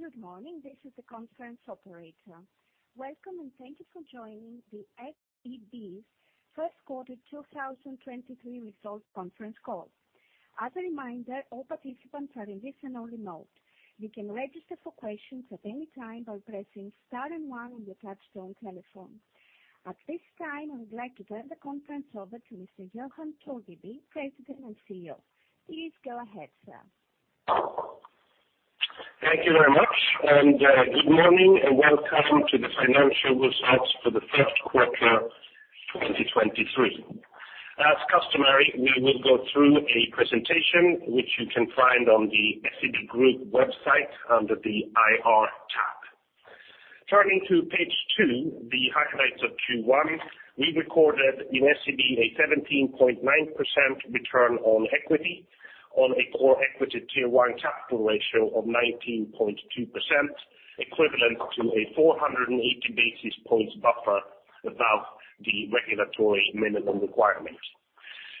Good morning, this is the conference operator. Welcome, thank you for joining the SEB's First Quarter 2023 Results Conference Call. As a reminder, all participants are in listen-only mode. You can register for questions at any time by pressing star and one on your touch-tone telephone. At this time, I would like to turn the conference over to Mr. Johan Torgeby, President and CEO. Please go ahead, sir. Thank you very much, good morning and welcome to the financial results for the first quarter 2023. As customary, we will go through a presentation which you can find on the SEB Group website under the IR tab. Turning to page two, the highlights of Q1, we recorded in SEB a 17.9% return on equity on a Core Equity Tier 1 capital ratio of 19.2%, equivalent to a 480 basis points buffer above the regulatory minimum requirement.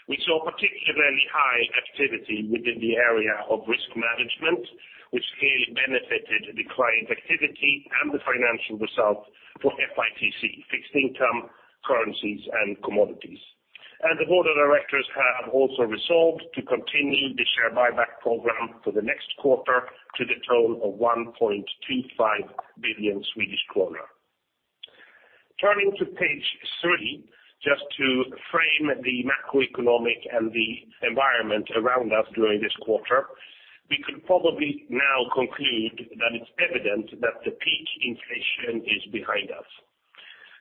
We saw particularly high activity within the area of risk management, which clearly benefited the client activity and the financial results for FICC, Fixed Income, Currencies and Commodities. The Board of Directors have also resolved to continue the share buyback program for the next quarter to the tone of 1.25 billion Swedish kronor. Turning to page three, just to frame the macroeconomic and the environment around us during this quarter, we could probably now conclude that it's evident that the peak inflation is behind us.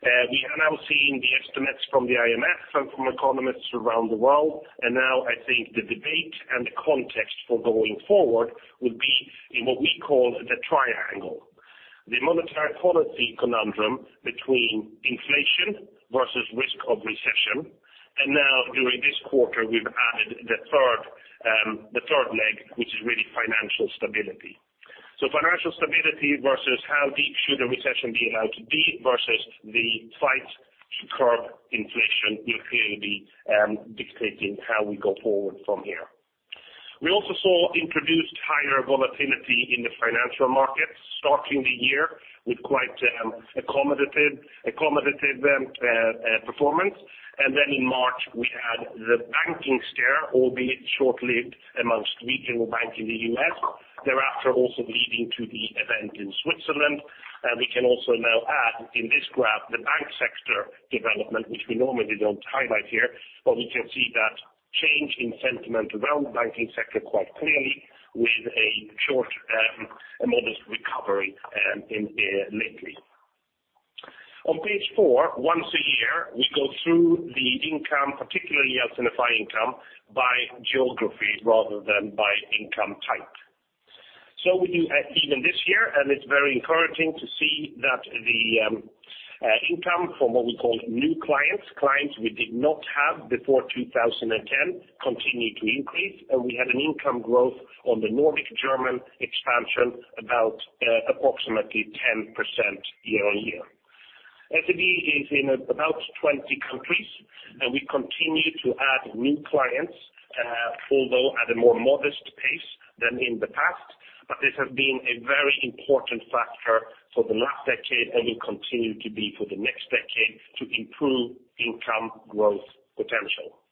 We are now seeing the estimates from the IMF and from economists around the world, now I think the debate and the context for going forward will be in what we call the triangle. The monetary policy conundrum between inflation versus risk of recession, now during this quarter, we've added the third leg, which is really financial stability. Financial stability versus how deep should a recession be allowed to be versus the fight to curb inflation will clearly be dictating how we go forward from here. We also saw introduced higher volatility in the financial markets starting the year with quite accommodative performance. In March, we had the banking scare, albeit short-lived, amongst regional bank in the U.S., thereafter also leading to the event in Switzerland. We can also now add in this graph the bank sector development, which we normally don't highlight here, but we can see that change in sentiment around the banking sector quite clearly with a short, a modest recovery in lately. On page four, once a year, we go through the income, particularly as in a five income, by geography rather than by income type. We do even this year, and it's very encouraging to see that the income from what we call new clients we did not have before 2010, continue to increase. We had an income growth on the Nordic German expansion about approximately 10% year-over-year. SEB is in about 20 countries. We continue to add new clients, although at a more modest pace than in the past. This has been a very important factor for the last decade and will continue to be for the next decade to improve income growth potential.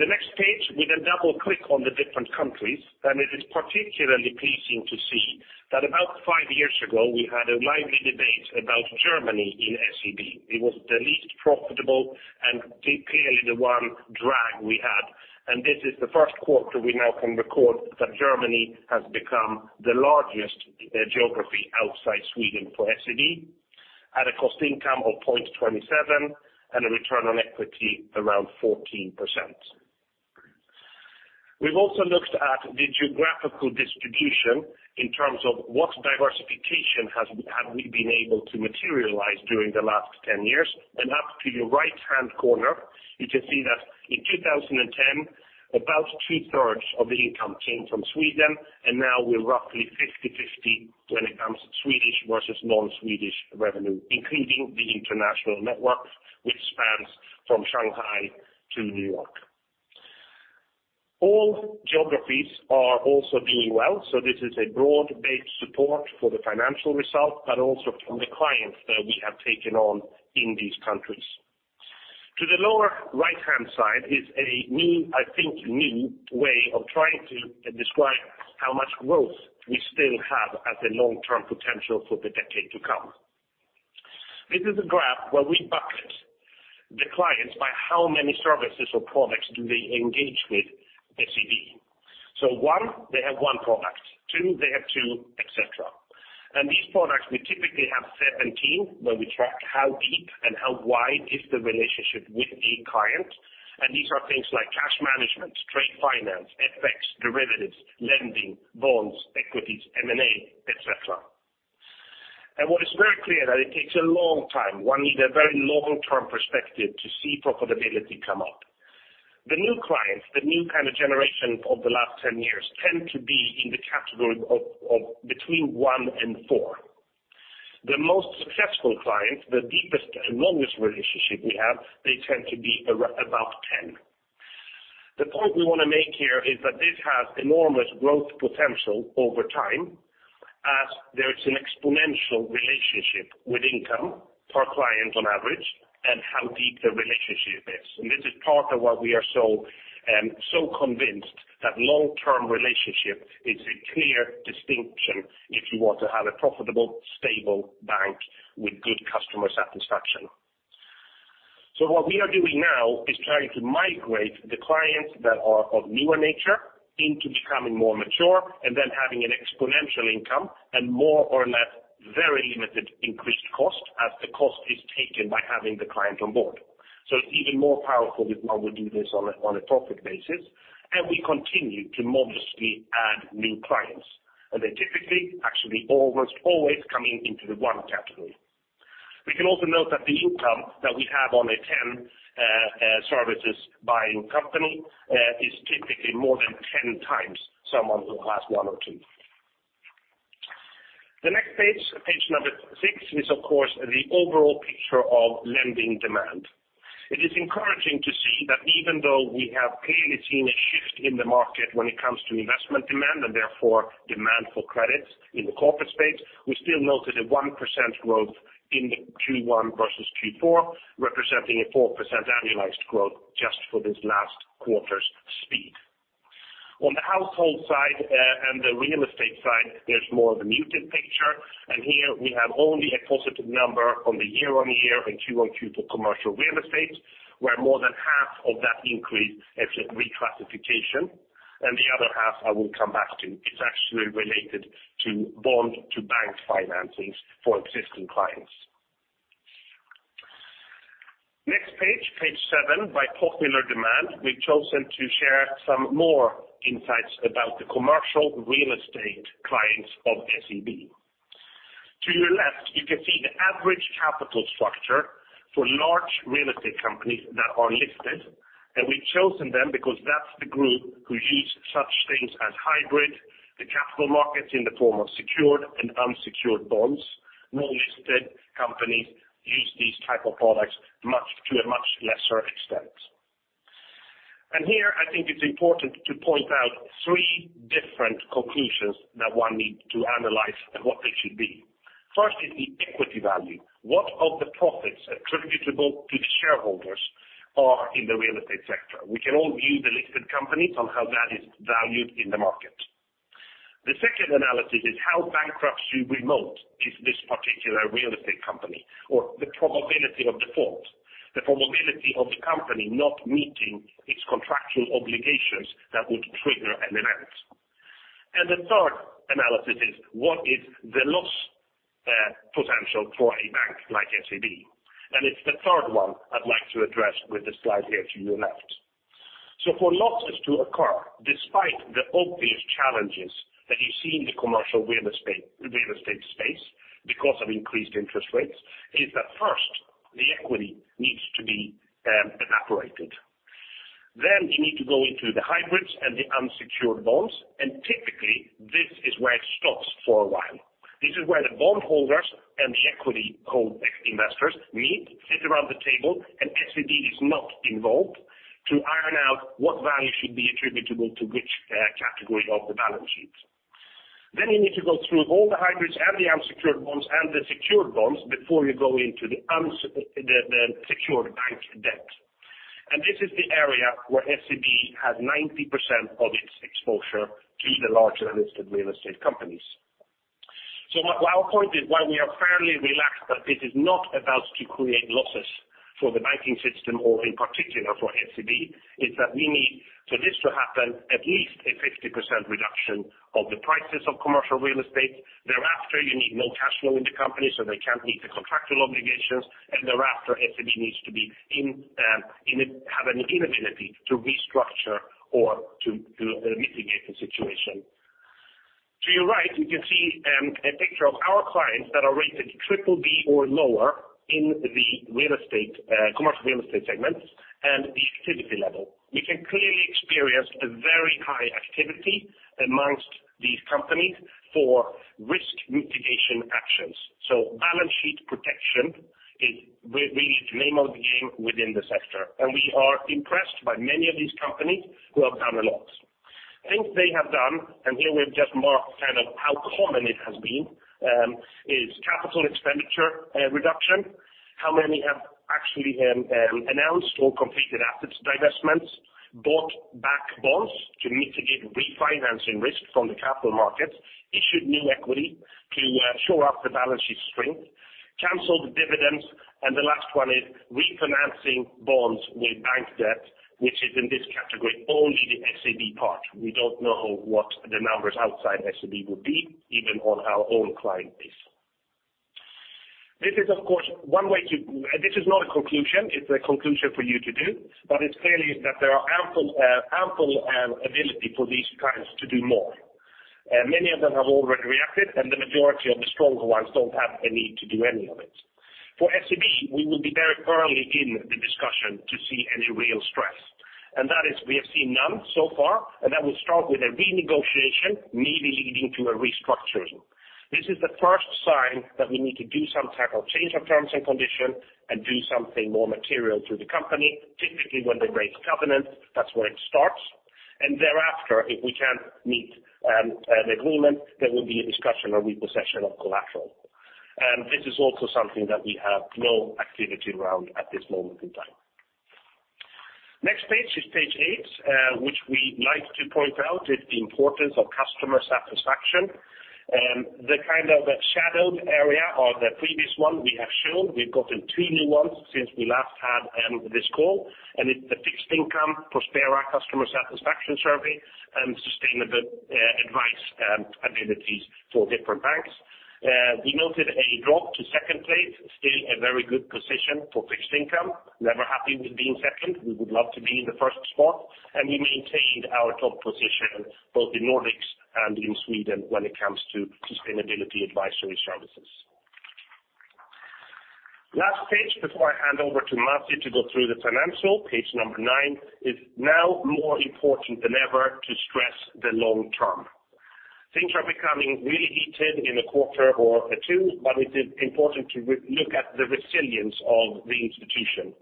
The next page with a double click on the different countries. It is particularly pleasing to see that about five years ago, we had a lively debate about Germany in SEB. It was the least profitable and clearly the one drag we had. This is the first quarter we now can record that Germany has become the largest geography outside Sweden for SEB at a cost income of 0.27 and a return on equity around 14%. We've also looked at the geographical distribution in terms of what diversification have we been able to materialize during the last 10 years. Up to your right-hand corner, you can see that in 2010, about 2/3 of the income came from Sweden, and now we're roughly 50/50 when it comes to Swedish versus non-Swedish revenue, including the international networks which spans from Shanghai to New York. All geographies are also doing well, this is a broad-based support for the financial results, but also from the clients that we have taken on in these countries. To the lower right-hand side is a new, I think, new way of trying to describe how much growth we still have as a long-term potential for the decade to come. This is a graph where we bucket the clients by how many services or products do they engage with SEB. One, they have one product. Two, they have two, et cetera. These products, we typically have 17, where we track how deep and how wide is the relationship with a client. These are things like cash management, trade finance, FX, derivatives, lending, bonds, equities, M&A, et cetera. What is very clear that it takes a long time. One need a very long-term perspective to see profitability come up. The new clients, the new kind of generation of the last 10 years, tend to be in the category of between one and four. The most successful clients, the deepest and longest relationship we have, they tend to be about 10. The point we wanna make here is that this has enormous growth potential over time, as there is an exponential relationship with income per client on average, and how deep the relationship is. This is part of why we are so convinced that long-term relationship is a clear distinction if you want to have a profitable, stable bank with good customer satisfaction. What we are doing now is trying to migrate the clients that are of newer nature into becoming more mature and then having an exponential income and more or less very limited increased cost, as the cost is taken by having the client on board. It's even more powerful if one would do this on a topic basis, and we continue to modestly add new clients. They typically, actually almost always come in into the one category. We can also note that the income that we have on a 10 services buying company is typically more than 10 times someone who has one or two. The next page number six, is of course the overall picture of lending demand. It is encouraging to see that even though we have clearly seen a shift in the market when it comes to investment demand, and therefore demand for credits in the corporate space, we still noted a 1% growth in the Q1 versus Q4, representing a 4% annualized growth just for this last quarter's speed. On the household side, and the real estate side, there's more of a muted picture. Here we have only a positive number on the year-over-year and quarter-over-quarter for Commercial Real Estate, where more than half of that increase is a reclassification. The other half I will come back to. It's actually related to bond to bank financings for existing clients. Next page seven. By popular demand, we've chosen to share some more insights about the Commercial Real Estate clients of SEB. To your left, you can see the average capital structure for large real estate companies that are listed, and we've chosen them because that's the group who use such things as hybrid, the capital markets in the form of secured and unsecured bonds. Non-listed companies use these type of products to a much lesser extent. Here I think it's important to point out three different conclusions that one needs to analyze and what they should be. First is the equity value. What of the profits attributable to shareholders are in the real estate sector? We can all view the listed companies on how that is valued in the market. The second analysis is how bankruptcy remote is this particular real estate company, or the probability of default, the probability of the company not meeting its contractual obligations that would trigger an event. The third analysis is what is the loss potential for a bank like SEB? It's the third one I'd like to address with the slide here to your left. For losses to occur, despite the obvious challenges that you see in the commercial real estate space because of increased interest rates, is that first, the equity needs to be evaporated. You need to go into the hybrids and the unsecured bonds, typically this is where it stops for a while. This is where the bondholders and the equity co-investors meet, sit around the table, SEB is not involved, to iron out what value should be attributable to which category of the balance sheet. You need to go through all the hybrids and the unsecured bonds and the secured bonds before you go into the secured bank debt. This is the area where SEB has 90% of its exposure to the larger listed real estate companies. My, my point is, while we are fairly relaxed that this is not about to create losses for the banking system or in particular for SEB, is that we need for this to happen, at least a 50% reduction of the prices of Commercial Real Estate. Thereafter, you need no cash flow in the company, so they can't meet the contractual obligations. Thereafter, SEB needs to be in an inability to restructure or to mitigate the situation. To your right, you can see a picture of our clients that are rated BBB or lower in the real estate, Commercial Real Estate segment and the activity level. You can clearly experience a very high activity amongst these companies for risk mitigation actions. Balance sheet protection is really the name of the game within the sector, and we are impressed by many of these companies who have done a lot. Things they have done, and here we've just marked kind of how common it has been, is capital expenditure reduction, how many have actually announced or completed assets divestments, bought back bonds to mitigate refinancing risks from the capital markets, issued new equity to shore up the balance sheet strength, canceled dividends, and the last one is refinancing bonds with bank debt, which is in this category, only the SEB part. We don't know what the numbers outside SEB would be, even on our own client base. This is of course one way to... This is not a conclusion, it's a conclusion for you to do, but it's clearly is that there are ample ability for these clients to do more. Many of them have already reacted, and the majority of the stronger ones don't have a need to do any of it. For SEB, we will be very early in the discussion to see any real stress, and that is, we have seen none so far, and that will start with a renegotiation, maybe leading to a restructuring. This is the first sign that we need to do some type of change of terms and condition and do something more material to the company. Typically, when they break covenant, that's where it starts. Thereafter, if we can't meet an agreement, there will be a discussion or repossession of collateral. This is also something that we have no activity around at this moment in time. Next page is page eight, which we like to point out is the importance of customer satisfaction and the kind of shadowed area or the previous one we have shown. We've gotten two new ones since we last had this call, and it's the fixed income Prospera customer satisfaction survey and sustainable advice abilities for different banks. We noted a drop to second place, still a very good position for fixed income. Never happy with being second, we would love to be in the first spot. We maintained our top position both in Nordics and in Sweden when it comes to sustainability advisory services. Last page before I hand over to Masih to go through the financial. Page number nine is now more important than ever to stress the long term. Things are becoming really heated in a quarter or two, but it is important to look at the resilience of the institution.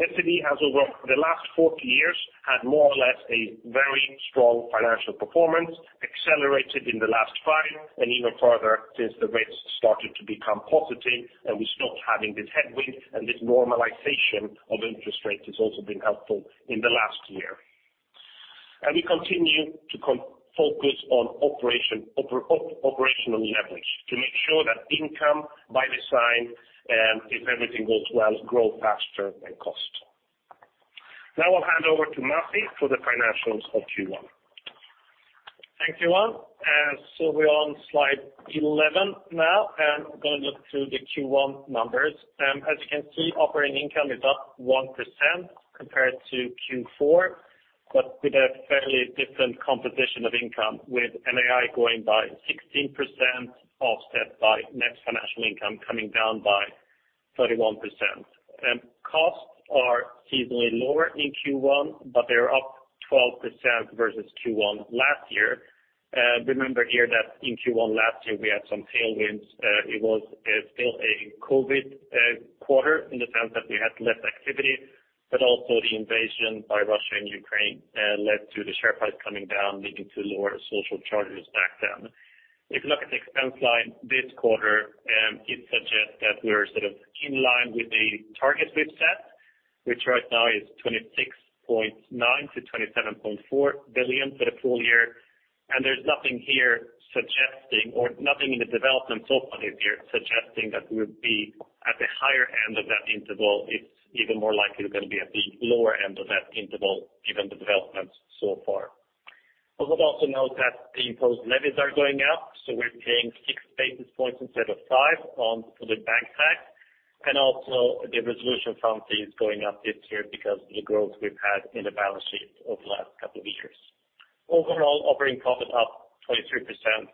SEB has over the last 40 years, had more or less a very strong financial performance, accelerated in the last five, and even further since the rates started to become positive and we stopped having this headwind. This normalization of interest rates has also been helpful in the last year. We continue to focus on operational leverage to make sure that income by design, if everything goes well, grow faster than cost. Now I'll hand over to Masih for the financials of Q1. Thank you, Johan. We're on slide 11 now, and we're gonna look through the Q1 numbers. As you can see, operating income is up 1% compared to Q4, with a fairly different composition of income, with NII going by 16%, offset by net financial income coming down by 31%. Costs are seasonally lower in Q1, they are up 12% versus Q1 last year. Remember here that in Q1 last year we had some tailwinds. It was still a COVID quarter in the sense that we had less activity. Also the invasion by Russia in Ukraine led to the share price coming down, leading to lower social charges back then. If you look at the expense line this quarter, it suggests that we're sort of in line with the targets we've set, which right now is 26.9 billion-27.4 billion for the full year. There's nothing here suggesting or nothing in the developments so far this year suggesting that we would be at the higher end of that interval. It's even more likely we're gonna be at the lower end of that interval given the developments so far. I would also note that the imposed levies are going up, so we're paying 6 basis points instead of 5 for the bank pack. Also the resolution fund is going up this year because of the growth we've had in the balance sheet over the last couple of years. Overall, operating profit up 23%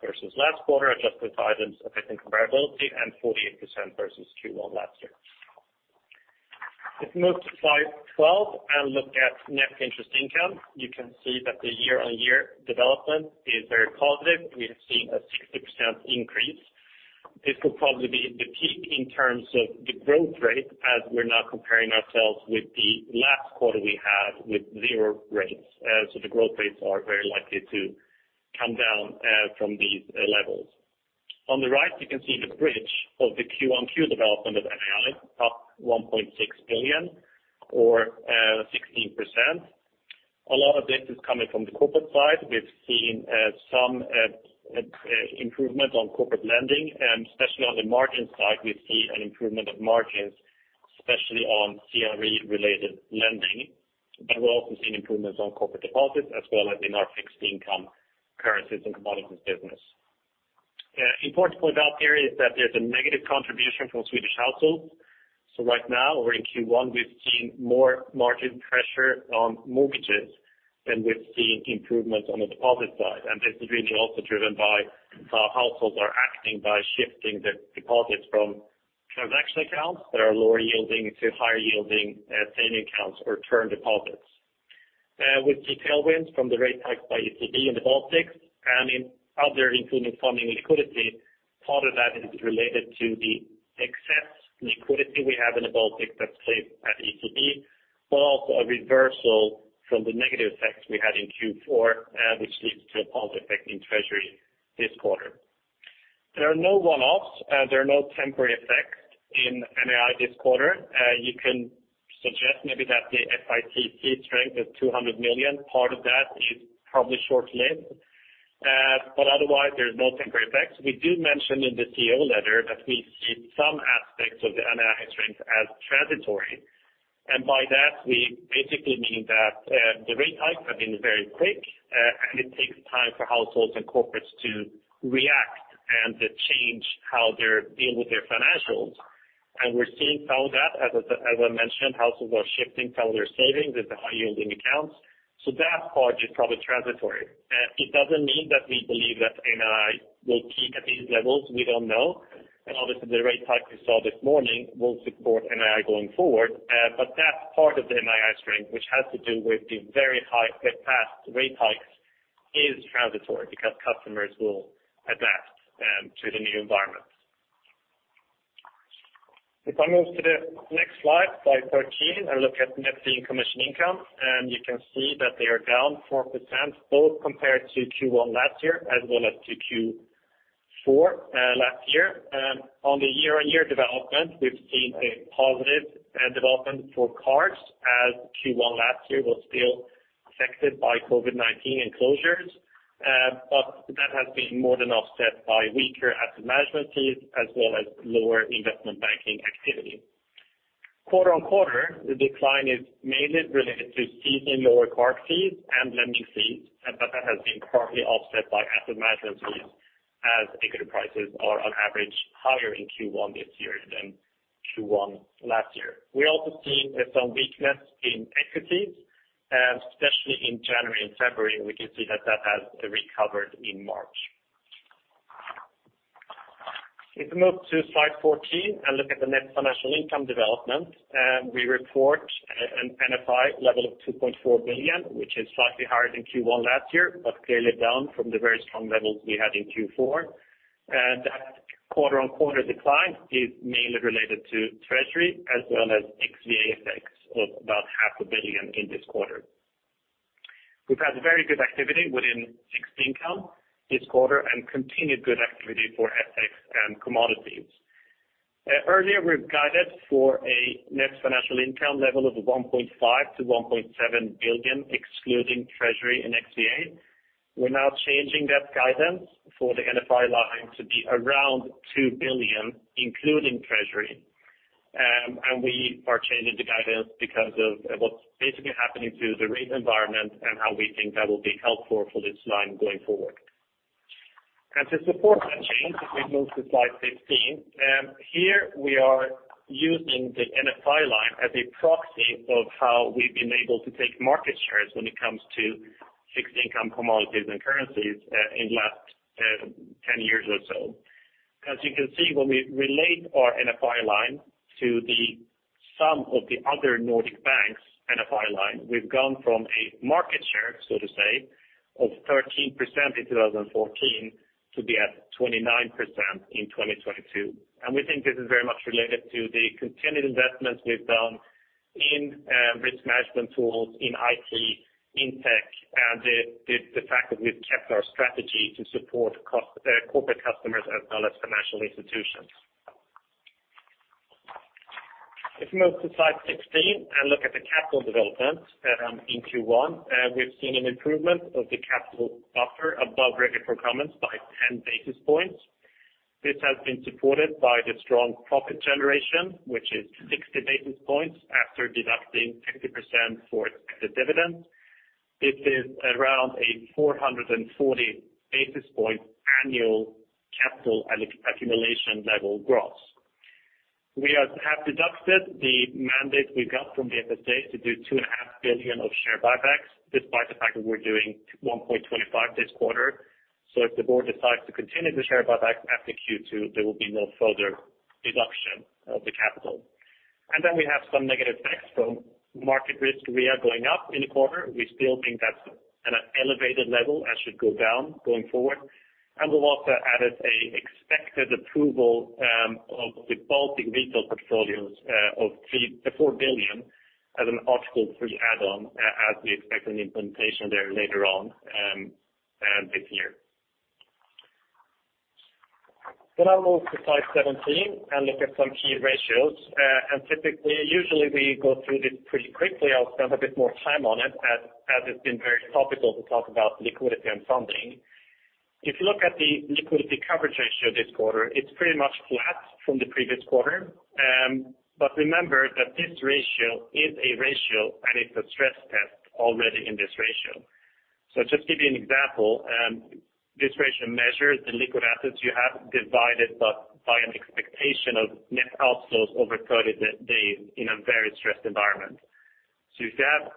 versus last quarter, adjusted for items affecting comparability and 48% versus Q1 last year. If you move to slide 12 and look at net interest income, you can see that the year-on-year development is very positive. We have seen a 60% increase. This will probably be the peak in terms of the growth rate as we're now comparing ourselves with the last quarter we had with zero rates. The growth rates are very likely to come down from these levels. On the right, you can see the bridge of the QoQ development of NII up 1.6 billion or 16%. A lot of this is coming from the corporate side. We've seen some improvement on corporate lending, and especially on the margin side, we see an improvement of margins, especially on CRE related lending. We're also seeing improvements on corporate deposits as well as in our Fixed Income, Currencies and Commodities business. Important point out here is that there's a negative contribution from Swedish households. Right now, we're in Q1, we're seeing more margin pressure on mortgages than we're seeing improvements on the deposit side. This is really also driven by how households are acting by shifting the deposits from transaction accounts that are lower yielding to higher yielding, saving accounts or term deposits. With the tailwinds from the rate hike by ECB in the Baltics and in other improvement funding liquidity, part of that is related to the excess liquidity we have in the Baltics that's saved at ECB, but also a reversal from the negative effects we had in Q4, which leads to a positive effect in treasury this quarter. There are no one-offs, there are no temporary effects in NII this quarter. You can suggest maybe that the FICC fee strength of 200 million, part of that is probably short-lived. Otherwise there's no temporary effects. We do mention in the CEO letter that we see some aspects of the NII strength as transitory, and by that we basically mean that the rate hikes have been very quick, and it takes time for households and corporates to react and to change how they're dealing with their financials. We're seeing some of that. As I mentioned, households are shifting some of their savings into high yielding accounts. So that part is probably transitory. It doesn't mean that we believe that NII will peak at these levels. We don't know. Obviously, the rate hike we saw this morning will support NII going forward. That's part of the NII strength, which has to do with the past rate hikes is transitory because customers will adapt to the new environment. If I move to the next slide 13, and look at Net Fee and Commission Income, you can see that they are down 4%, both compared to Q1 last year as well as to Q4 last year. On the year-on-year development, we've seen a positive development for cards as Q1 last year was still affected by COVID-19 and closures. That has been more than offset by weaker asset management fees as well as lower investment banking activity. Quarter-on-quarter, the decline is mainly related to seeing lower card fees and lending fees, but that has been partly offset by asset management fees as equity prices are on average higher in Q1 this year than Q1 last year. We're also seeing some weakness in equities, especially in January and February, we can see that that has recovered in March. If we move to slide 14 and look at the net financial income development, we report an NFI level of 2.4 billion, which is slightly higher than Q1 last year, but clearly down from the very strong levels we had in Q4. That quarter-on-quarter decline is mainly related to treasury as well as XVA effects of about half a billion in this quarter. We've had very good activity within fixed income this quarter and continued good activity for FX and commodities. Earlier, we've guided for a net financial income level of 1.5 billion-1.7 billion, excluding treasury and XVA. We're now changing that guidance for the NFI line to be around 2 billion, including treasury. We are changing the guidance because of what's basically happening to the rate environment and how we think that will be helpful for this line going forward. To support that change, if we move to slide 15, here we are using the NFI line as a proxy of how we've been able to take market shares when it comes to fixed income, commodities, and currencies, in last 10 years or so. As you can see, when we relate our NFI line to the sum of the other Nordic banks' NFI line, we've gone from a market share, so to say, of 13% in 2014 to be at 29% in 2022. We think this is very much related to the continued investments we've done in risk management tools, in IT, in tech, and the fact that we've kept our strategy to support corporate customers as well as financial institutions. If you move to slide 16 and look at the capital development, in Q1, we've seen an improvement of the capital buffer above regulatory comments by 10 basis points. This has been supported by the strong profit generation, which is 60 basis points after deducting 50% for the dividend. This is around a 440 basis point annual capital accumulation level gross. We have deducted the mandate we got from the FSA to do two and a half billion of share buybacks, despite the fact that we're doing 1.25 this quarter. If the board decides to continue the share buybacks after Q2, there will be no further deduction of the capital. We have some negative effects from market risk. We are going up in the quarter. We still think that's an elevated level and should go down going forward. We've also added a expected approval of the Baltic retail portfolios of 3 billion-4 billion as an Article 3 add-on, as we expect an implementation there later on this year. I'll move to slide 17 and look at some key ratios. Typically, usually we go through this pretty quickly. I'll spend a bit more time on it as it's been very topical to talk about liquidity and funding. If you look at the liquidity coverage ratio this quarter, it's pretty much flat from the previous quarter. Remember that this ratio is a ratio, and it's a stress test already in this ratio. Just to give you an example, this ratio measures the liquid assets you have divided by an expectation of net outflows over 30 days in a very stressed environment. If you have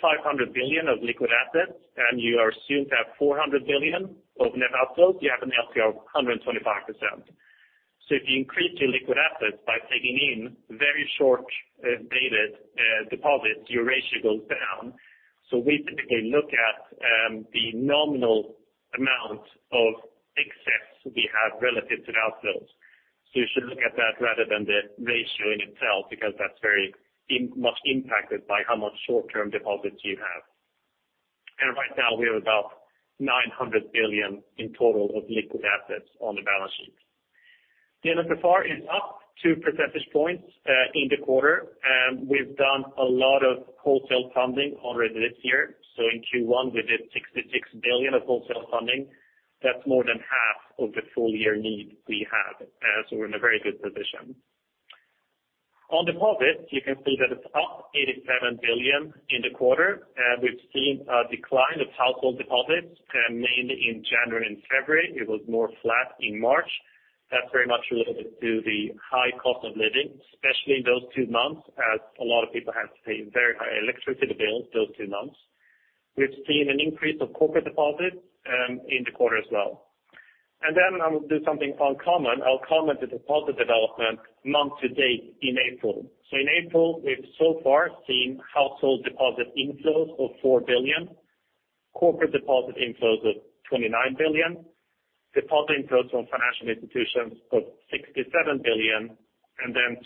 500 billion of liquid assets and you are assumed to have 400 billion of net outflows, you have an LCR of 125%. If you increase your liquid assets by taking in very short dated deposits, your ratio goes down. We typically look at the nominal amount of excess we have relative to the outflows. You should look at that rather than the ratio in itself because that's very much impacted by how much short-term deposits you have. Right now we have about 900 billion in total of liquid assets on the balance sheet. The NSFR is up 2 percentage points in the quarter, and we've done a lot of wholesale funding already this year. In Q1, we did 66 billion of wholesale funding. That's more than half of the full year need we have, we're in a very good position. On deposits, you can see that it's up 87 billion in the quarter, we've seen a decline of household deposits mainly in January and February. It was more flat in March. That's very much related to the high cost of living, especially in those two months, as a lot of people have to pay very high electricity bills those two months. We've seen an increase of corporate deposits in the quarter as well. I will do something uncommon. I'll comment the deposit development month to date in April. In April, we've so far seen household deposit inflows of 4 billion, corporate deposit inflows of 29 billion, deposit inflows from financial institutions of 67 billion,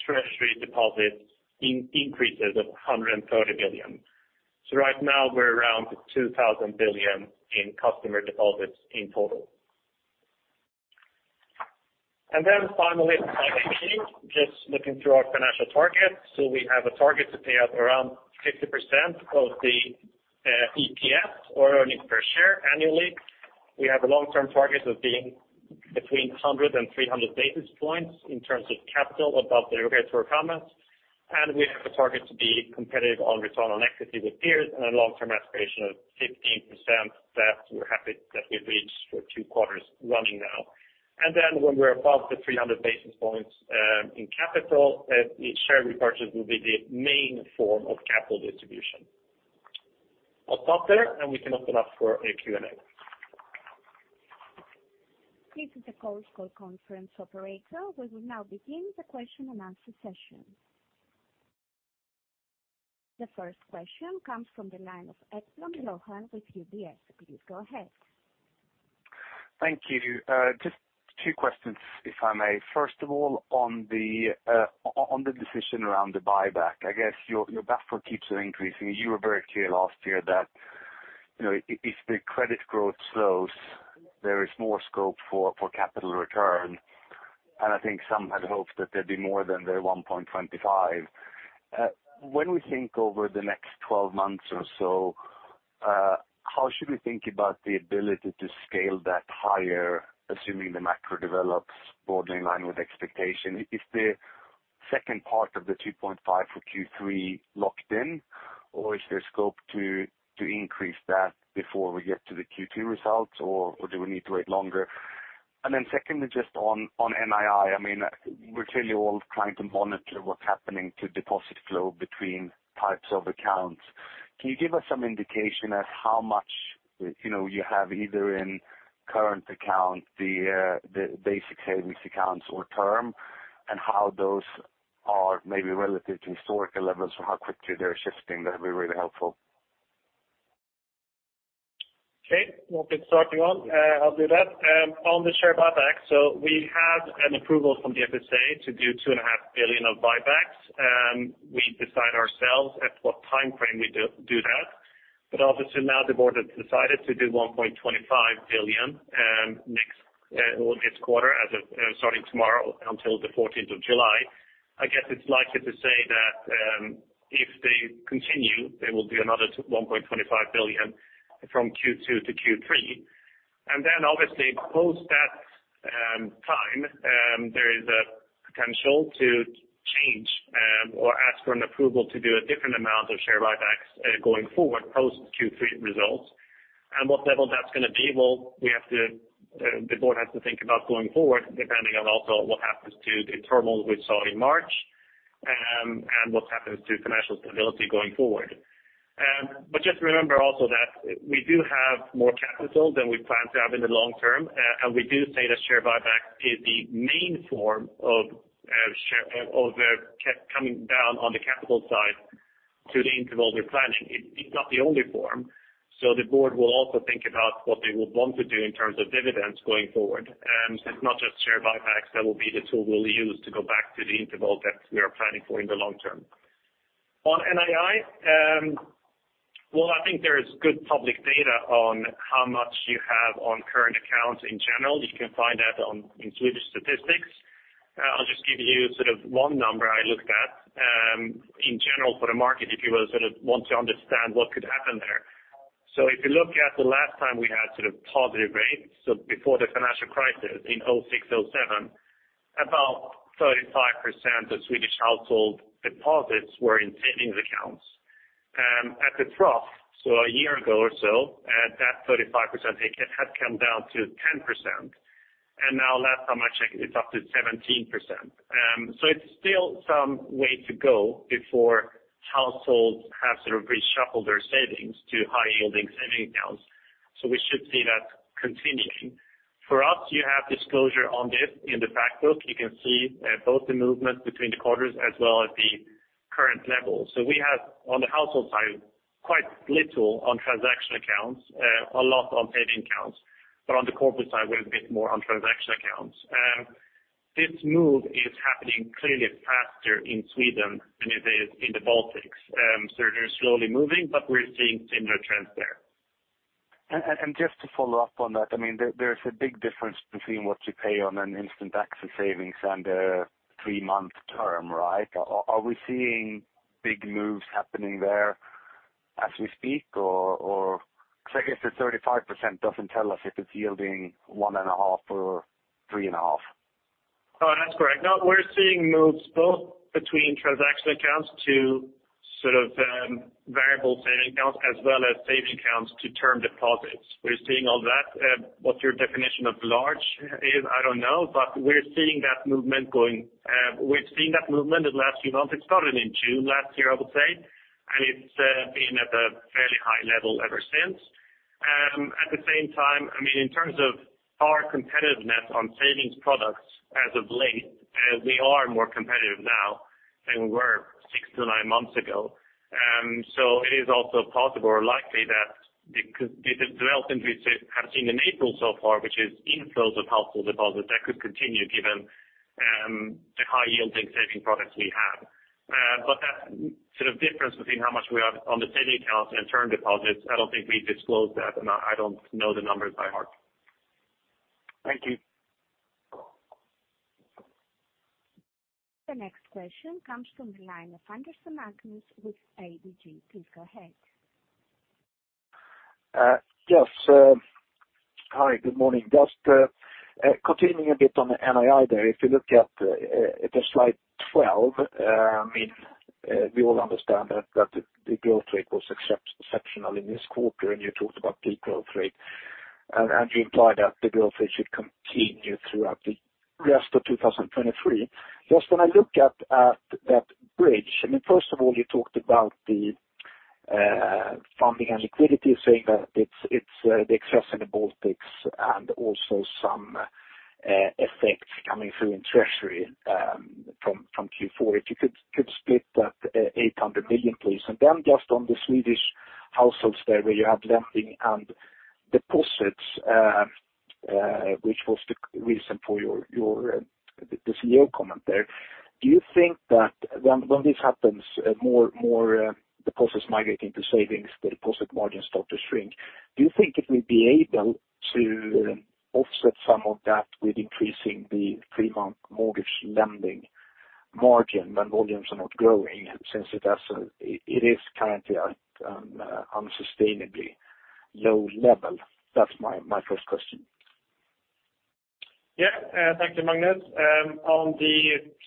treasury deposits increases of 130 billion. Right now we're around 2,000 billion in customer deposits in total. Finally, slide 18, just looking through our financial targets. We have a target to pay out around 50% of the EPS or earnings per share annually. We have a long-term target of being between 100 and 300 basis points in terms of capital above the regulatory comments. We have a target to be competitive on return on equity with peers and a long-term aspiration of 15% that we're happy that we've reached for two quarters running now. When we're above the 300 basis points in capital, the share repurchase will be the main form of capital distribution. I'll stop there, and we can open up for a Q&A. This is the Chorus Call conference operator. We will now begin the question-and-answer session. The first question comes from the line of Johan Ekblom with UBS. Please go ahead. Thank you. Just two questions, if I may. First of all, on the decision around the buyback, I guess your buffer keeps on increasing. You were very clear last year that, you know, if the credit growth slows, there is more scope for capital return. I think some had hoped that there'd be more than the 1.25. When we think over the next 12 months or so, how should we think about the ability to scale that higher, assuming the macro develops broadly in line with expectation? Is the second part of the 2.5 for Q3 locked in, or is there scope to increase that before we get to the Q2 results, or do we need to wait longer? Secondly, just on NII, I mean, we're clearly all trying to monitor what's happening to deposit flow between types of accounts. Can you give us some indication as how much, you know, you have either in current account, the basic savings accounts or term, and how those are maybe relative to historical levels or how quickly they're shifting? That'd be really helpful. Okay. Well, good starting one. I'll do that. On the share buyback, we had an approval from the FSA to do two and a half billion of buybacks. We decide ourselves at what timeframe we do that. Obviously now the board has decided to do 1.25 billion next this quarter as of starting tomorrow until the 14th of July. I guess it's likely to say that, if they continue, they will do another 1.25 billion from Q2-Q3. Obviously post that time, there is a potential to change or ask for an approval to do a different amount of share buybacks going forward post Q3 results. What level that's gonna be, we have to... The board has to think about going forward, depending on also what happens to the turmoil we saw in March, and what happens to financial stability going forward. Just remember also that we do have more capital than we plan to have in the long term. We do say that share buyback is the main form of coming down on the capital side to the interval we're planning. It's not the only form. The board will also think about what they would want to do in terms of dividends going forward. It's not just share buybacks that will be the tool we'll use to go back to the interval that we are planning for in the long term. On NII, well, I think there is good public data on how much you have on current accounts in general. You can find that in Swedish statistics. I'll just give you sort of one number I looked at in general for the market, if you will, sort of want to understand what could happen there. If you look at the last time we had sort of positive rates, so before the financial crisis in 2006, 2007, about 35% of Swedish household deposits were in savings accounts. At the trough, so a year ago or so, that 35% had come down to 10%, and now last time I checked it's up to 17%. It's still some way to go before households have sort of reshuffled their savings to high-yielding saving accounts. We should see that continuing. For us, you have disclosure on this in the fact book. You can see both the movement between the quarters as well as the current level. We have, on the household side, quite little on transaction accounts, a lot on saving accounts, but on the corporate side, we're a bit more on transaction accounts. This move is happening clearly faster in Sweden than it is in the Baltics. They're slowly moving, but we're seeing similar trends there. Just to follow up on that, I mean, there's a big difference between what you pay on an instant access savings and a three month term, right? Are we seeing big moves happening there as we speak? Or 'cause I guess the 35% doesn't tell us if it's yielding one and a half or three and a half. No, that's correct. No, we're seeing moves both between transaction accounts to sort of variable saving accounts as well as savings accounts to term deposits. We're seeing all that. What your definition of large is, I don't know, but we're seeing that movement going. We've seen that movement in the last few months. It started in June last year, I would say, and it's been at a fairly high level ever since. At the same time, I mean, in terms of our competitiveness on savings products as of late, we are more competitive now than we were six to nine months ago. It is also possible or likely that because the developments we have seen in April so far, which is inflows of household deposits, that could continue given the high-yielding saving products we have. That sort of difference between how much we have on the savings accounts and term deposits, I don't think we disclose that, and I don't know the numbers by heart. Thank you. The next question comes from the line of Magnus Andersson with ABG. Please go ahead. Yes. Hi, good morning. Just continuing a bit on the NII there. If you look at the slide 12, I mean, we all understand that the growth rate was exceptional in this quarter, and you talked about peak growth rate, and you implied that the growth rate should continue throughout the rest of 2023. Just when I look at that bridge, I mean, first of all, you talked about the funding and liquidity, saying that it's the excess in the Baltics and also some effects coming through in treasury, from Q4. If you could split that 800 billion, please. Just on the Swedish households there, where you have lending and deposits, which was the reason for your the CEO comment there. Do you think that when this happens, more deposits migrate into savings, the deposit margins start to shrink. Do you think it will be able to offset some of that with increasing the three month mortgage lending margin when volumes are not growing, since it is currently at an unsustainably low level? That's my first question. Yeah. Thank you, Magnus. On the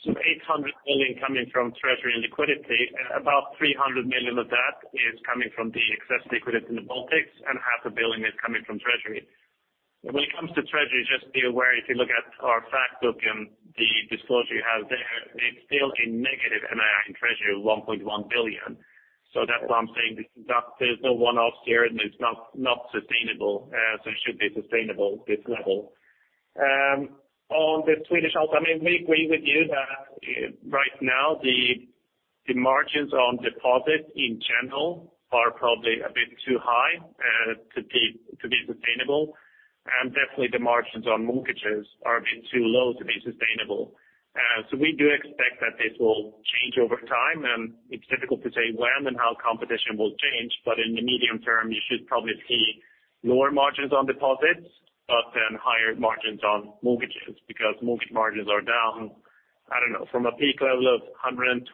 sort of 800 billion coming from treasury and liquidity, about 300 million of that is coming from the excess liquidity in the Baltics, and half a billion is coming from treasury. When it comes to treasury, just be aware, if you look at our fact book and the disclosure you have there, it's still a negative NII in treasury of 1.1 billion. That's why I'm saying there's no one-offs here, and it's not sustainable. It should be sustainable, this level. On the Swedish household, I mean, we agree with you that right now the margins on deposits in general are probably a bit too high to be sustainable, and definitely the margins on mortgages are a bit too low to be sustainable. We do expect that this will change over time. It's difficult to say when and how competition will change, but in the medium term, you should probably see lower margins on deposits, but then higher margins on mortgages, because mortgage margins are down, I don't know, from a peak level of 120-150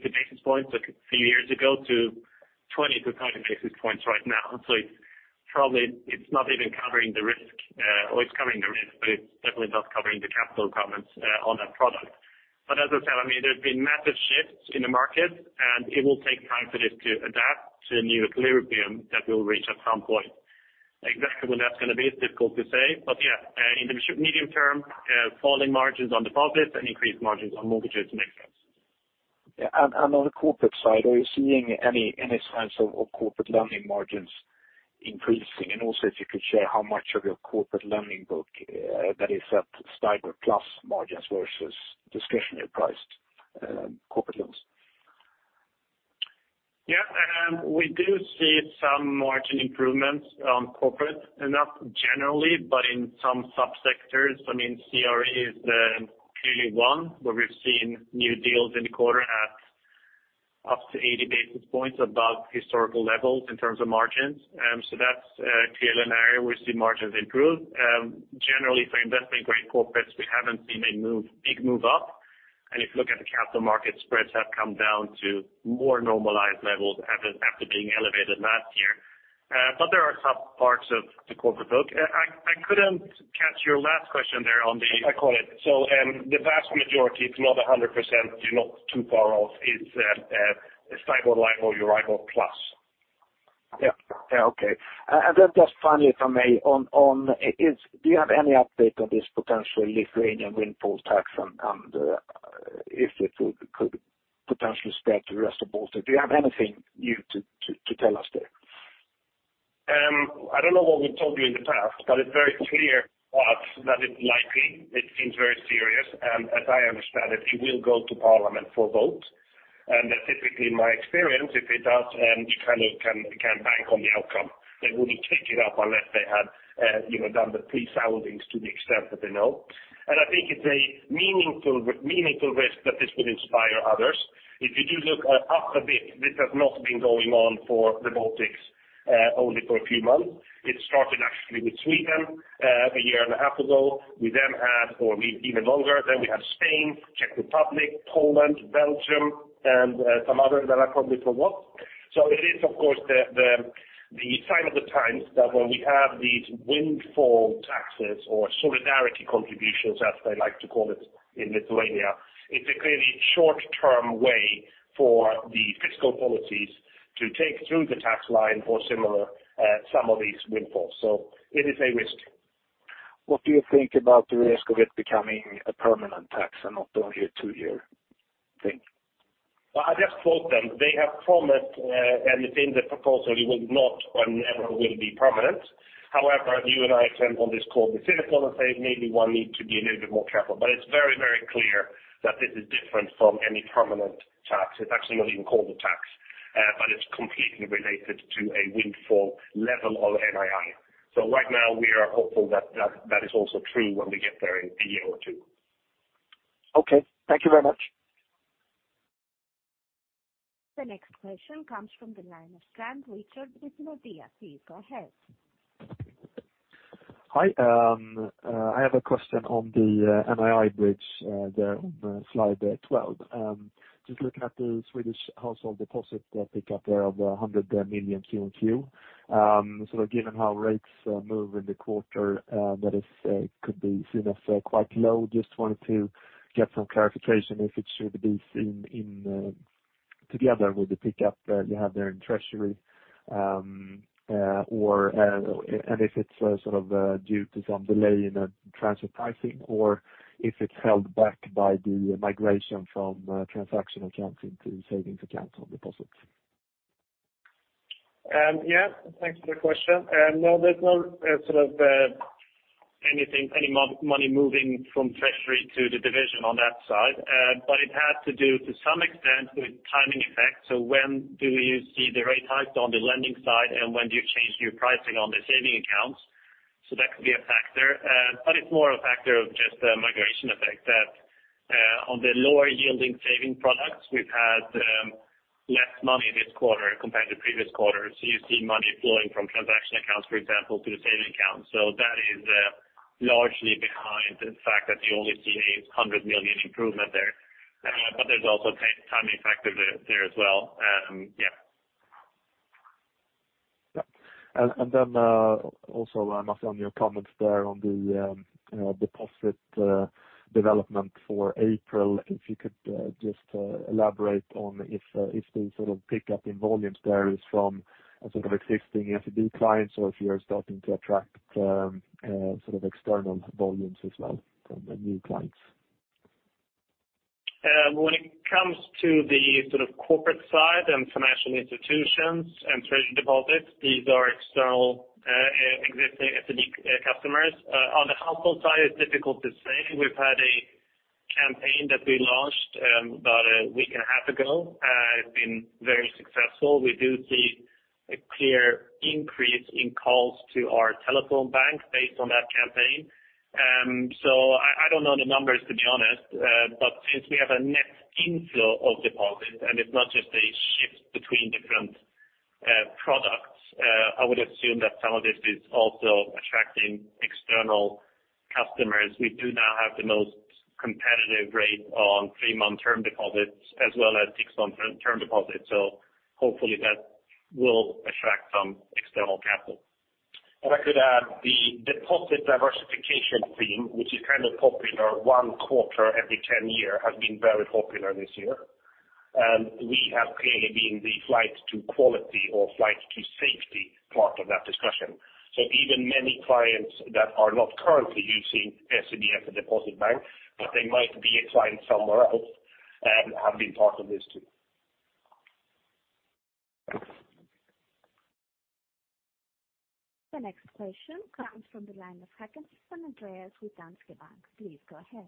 basis points a few years ago to 20-30 basis points right now. It's probably not even covering the risk. Or it's covering the risk, but it's definitely not covering the capital requirements on that product. As I said, I mean, there's been massive shifts in the market, and it will take time for this to adapt to the new equilibrium that we'll reach at some point. Exactly when that's gonna be, it's difficult to say. Yeah, in the medium term, falling margins on deposits and increased margins on mortgages makes sense. Yeah. On the corporate side, are you seeing any signs of corporate lending margins increasing? Also if you could share how much of your corporate lending book, that is at STIBOR plus margins versus discretionary priced, corporate loans. Yeah. We do see some margin improvements on corporate, not generally, but in some subsectors. I mean, CRE is clearly one where we've seen new deals in the quarter at up to 80 basis points above historical levels in terms of margins. That's clearly an area we see margins improve. Generally, for investment grade corporates, we haven't seen a big move up. If you look at the capital markets, spreads have come down to more normalized levels after being elevated last year. There are some parts of the corporate book. I couldn't catch your last question there on the- I caught it. The vast majority, it's not 100%, you're not too far off. It's STIBOR, LIBOR, EURIBOR plus. Yeah. Yeah. Okay. Then just finally, if I may, on, do you have any update on this potential Lithuanian windfall tax and, if it could potentially spread to the rest of Baltic? Do you have anything new to tell us there? I don't know what we've told you in the past, but it's very clear to us that it's likely. It seems very serious, and as I understand it will go to parliament for a vote. Typically, in my experience, if it does, you kind of can bank on the outcome. They wouldn't take it up unless they had, you know, done the pre-soundings to the extent that they know. I think it's a meaningful risk that this could inspire others. If you do look at this has not been going on for the Baltics only for a few months. It started actually with Sweden a year and a half ago. We had, or even longer, then we had Spain, Czech Republic, Poland, Belgium, and some other that I probably forgot. It is of course the sign of the times that when we have these windfall taxes or solidarity contributions, as they like to call it in Lithuania, it's a clearly short-term way for the fiscal policies to take through the tax line or similar some of these windfalls. It is a risk. What do you think about the risk of it becoming a permanent tax and not only a two year thing? Well, I just quote them. They have promised, and it's in the proposal, it will not or never will be permanent. You and I attend on this call be cynical and say maybe one need to be a little bit more careful. It's very, very clear that this is different from any permanent tax. It's actually not even called a tax, but it's completely related to a windfall level of NII. Right now, we are hopeful that that is also true when we get there in a year or two. Okay. Thank you very much. The next question comes from the line of Rickard Strand with Nordea. Please go ahead. Hi. I have a question on the NII bridge there on slide 12. Just looking at the Swedish household deposit pickup there of 100 million QoQ. Given how rates move in the quarter, that is could be seen as quite low. Just wanted to get some clarification if it should be seen in together with the pickup that you have there in treasury, or and if it's sort of due to some delay in the transit pricing or if it's held back by the migration from transaction accounts into savings accounts on deposits? Yeah. Thanks for the question. No, there's no sort of anything, any money moving from treasury to the division on that side. But it had to do to some extent with timing effects. When do you see the rate hiked on the lending side and when do you change your pricing on the saving accounts? That could be a factor. But it's more a factor of just a migration effect that on the lower yielding saving products, we've had less money this quarter compared to previous quarters. You see money flowing from transaction accounts, for example, to the saving accounts. That is largely behind the fact that you only see a 100 million improvement there. But there's also timing effect of it there as well. Yeah. Yeah. Also, Masih, on your comments there on the deposit development for April, if you could just elaborate on if the sort of pickup in volumes there is from a sort of existing SEB clients or if you are starting to attract sort of external volumes as well from the new clients? When it comes to the sort of corporate side and financial institutions and treasury deposits, these are external, existing SEB customers. On the household side, it's difficult to say. We've had a campaign that we launched about a week and a half ago. It's been very successful. We do see a clear increase in calls to our telephone bank based on that campaign. I don't know the numbers, to be honest, but since we have a net inflow of deposits and it's not just a shift between different products, I would assume that some of this is also attracting external customers. We do now have the most competitive rate on three month term deposits as well as six month term deposits. Hopefully that will attract some external capital. If I could add, the deposit diversification theme, which is kind of popular one quarter every 10 year, has been very popular this year. We have clearly been the flight to quality or flight to safety part of that discussion. Even many clients that are not currently using SEB as a deposit bank, but they might be a client somewhere else, have been part of this too. The next question comes from the line of Andreas Hakansson with Danske Bank. Please go ahead.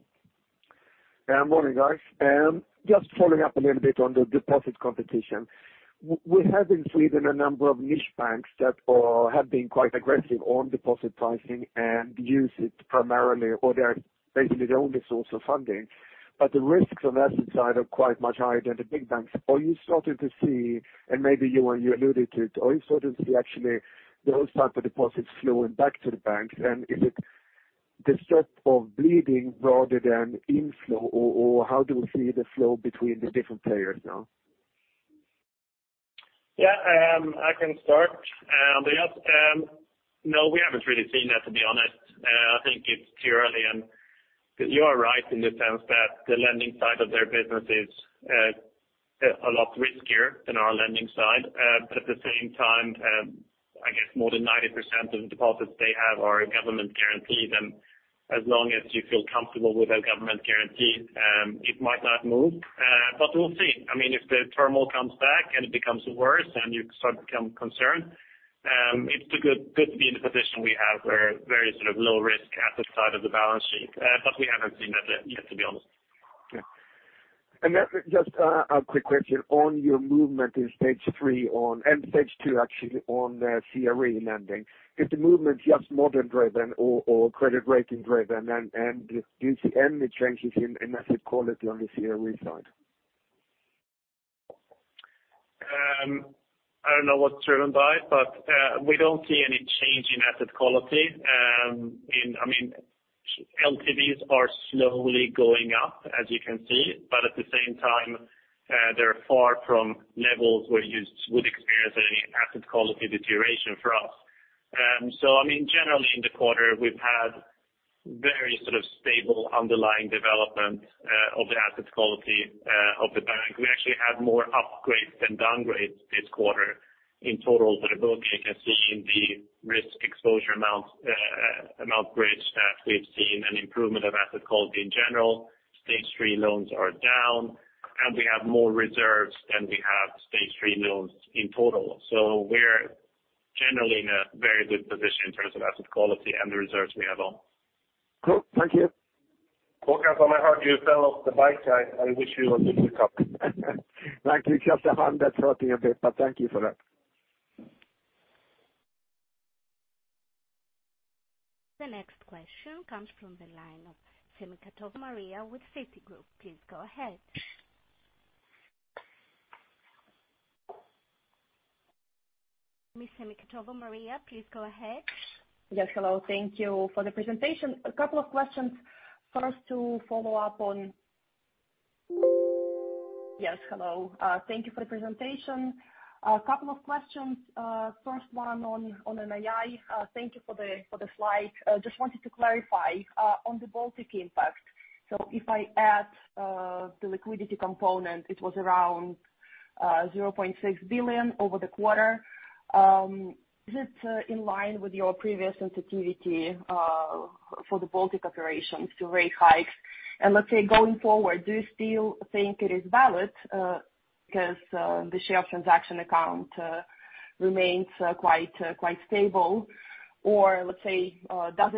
Yeah, morning, guys. Just following up a little bit on the deposit competition. We have in Sweden a number of niche banks that have been quite aggressive on deposit pricing and use it primarily or they're basically the only source of funding, but the risks on that side are quite much higher than the big banks. Are you starting to see, and maybe you alluded to it, are you starting to see actually those types of deposits flowing back to the banks? Is it the start of bleeding rather than inflow, or how do we see the flow between the different players now? Yeah, I can start. Yes, no, we haven't really seen that, to be honest. I think it's too early and you are right in the sense that the lending side of their business is a lot riskier than our lending side. At the same time, I guess more than 90% of the deposits they have are government guaranteed. As long as you feel comfortable with a government guarantee, it might not move. We'll see. I mean, if the turmoil comes back and it becomes worse and you start to become concerned, it's good to be in the position we have where there is sort of low risk at the side of the balance sheet. We haven't seen that yet, to be honest. Yeah. Then just a quick question on your movement in stage three And stage two, actually, on CRE lending. Is the movement just modern driven or credit rating driven and do you see any changes in asset quality on the CRE side? I don't know what's driven by, but we don't see any change in asset quality. I mean. LTVs are slowly going up, as you can see, but at the same time, they're far from levels where you would experience any asset quality deterioration for us. I mean, generally in the quarter, we've had very sort of stable underlying development of the asset quality of the bank. We actually had more upgrades than downgrades this quarter in total. As you can see in the risk exposure amount bridge, that we've seen an improvement of asset quality in general. Stage 3 loans are down, and we have more reserves than we have Stage 3 loans in total. We're generally in a very good position in terms of asset quality and the reserves we have on. Cool. Thank you. Focus on my heart, you fell off the bike. I wish you a quick recovery. Luckily, it's just the hand that's hurting a bit, but thank you for that. The next question comes from the line of Maria Semikhatova with Citigroup. Please go ahead. Ms. Semikhatova Maria, please go ahead. Yes, hello. Thank you for the presentation. A couple of questions. First one on NII. Thank you for the slide. Just wanted to clarify on the Baltic impact. If I add the liquidity component, it was around 0.6 billion over the quarter. Is it in line with your previous sensitivity for the Baltic operations to rate hikes? Let's say going forward, do you still think it is valid because the share of transaction account remains quite stable? Let's say, does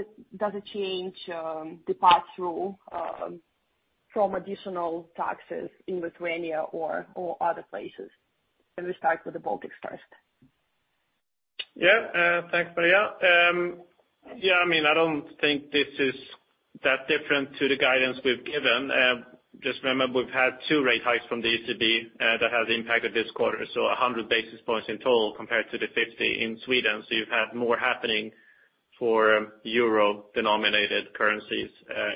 it change the pass-through from additional taxes in Lithuania or other places? Can we start with the Baltics first? Yeah. Thanks, Maria. I mean, I don't think this is that different to the guidance we've given. Just remember, we've had 2 rate hikes from the ECB that have impacted this quarter, 100 basis points in total compared to the 50 in Sweden. You've had more happening for euro-denominated currencies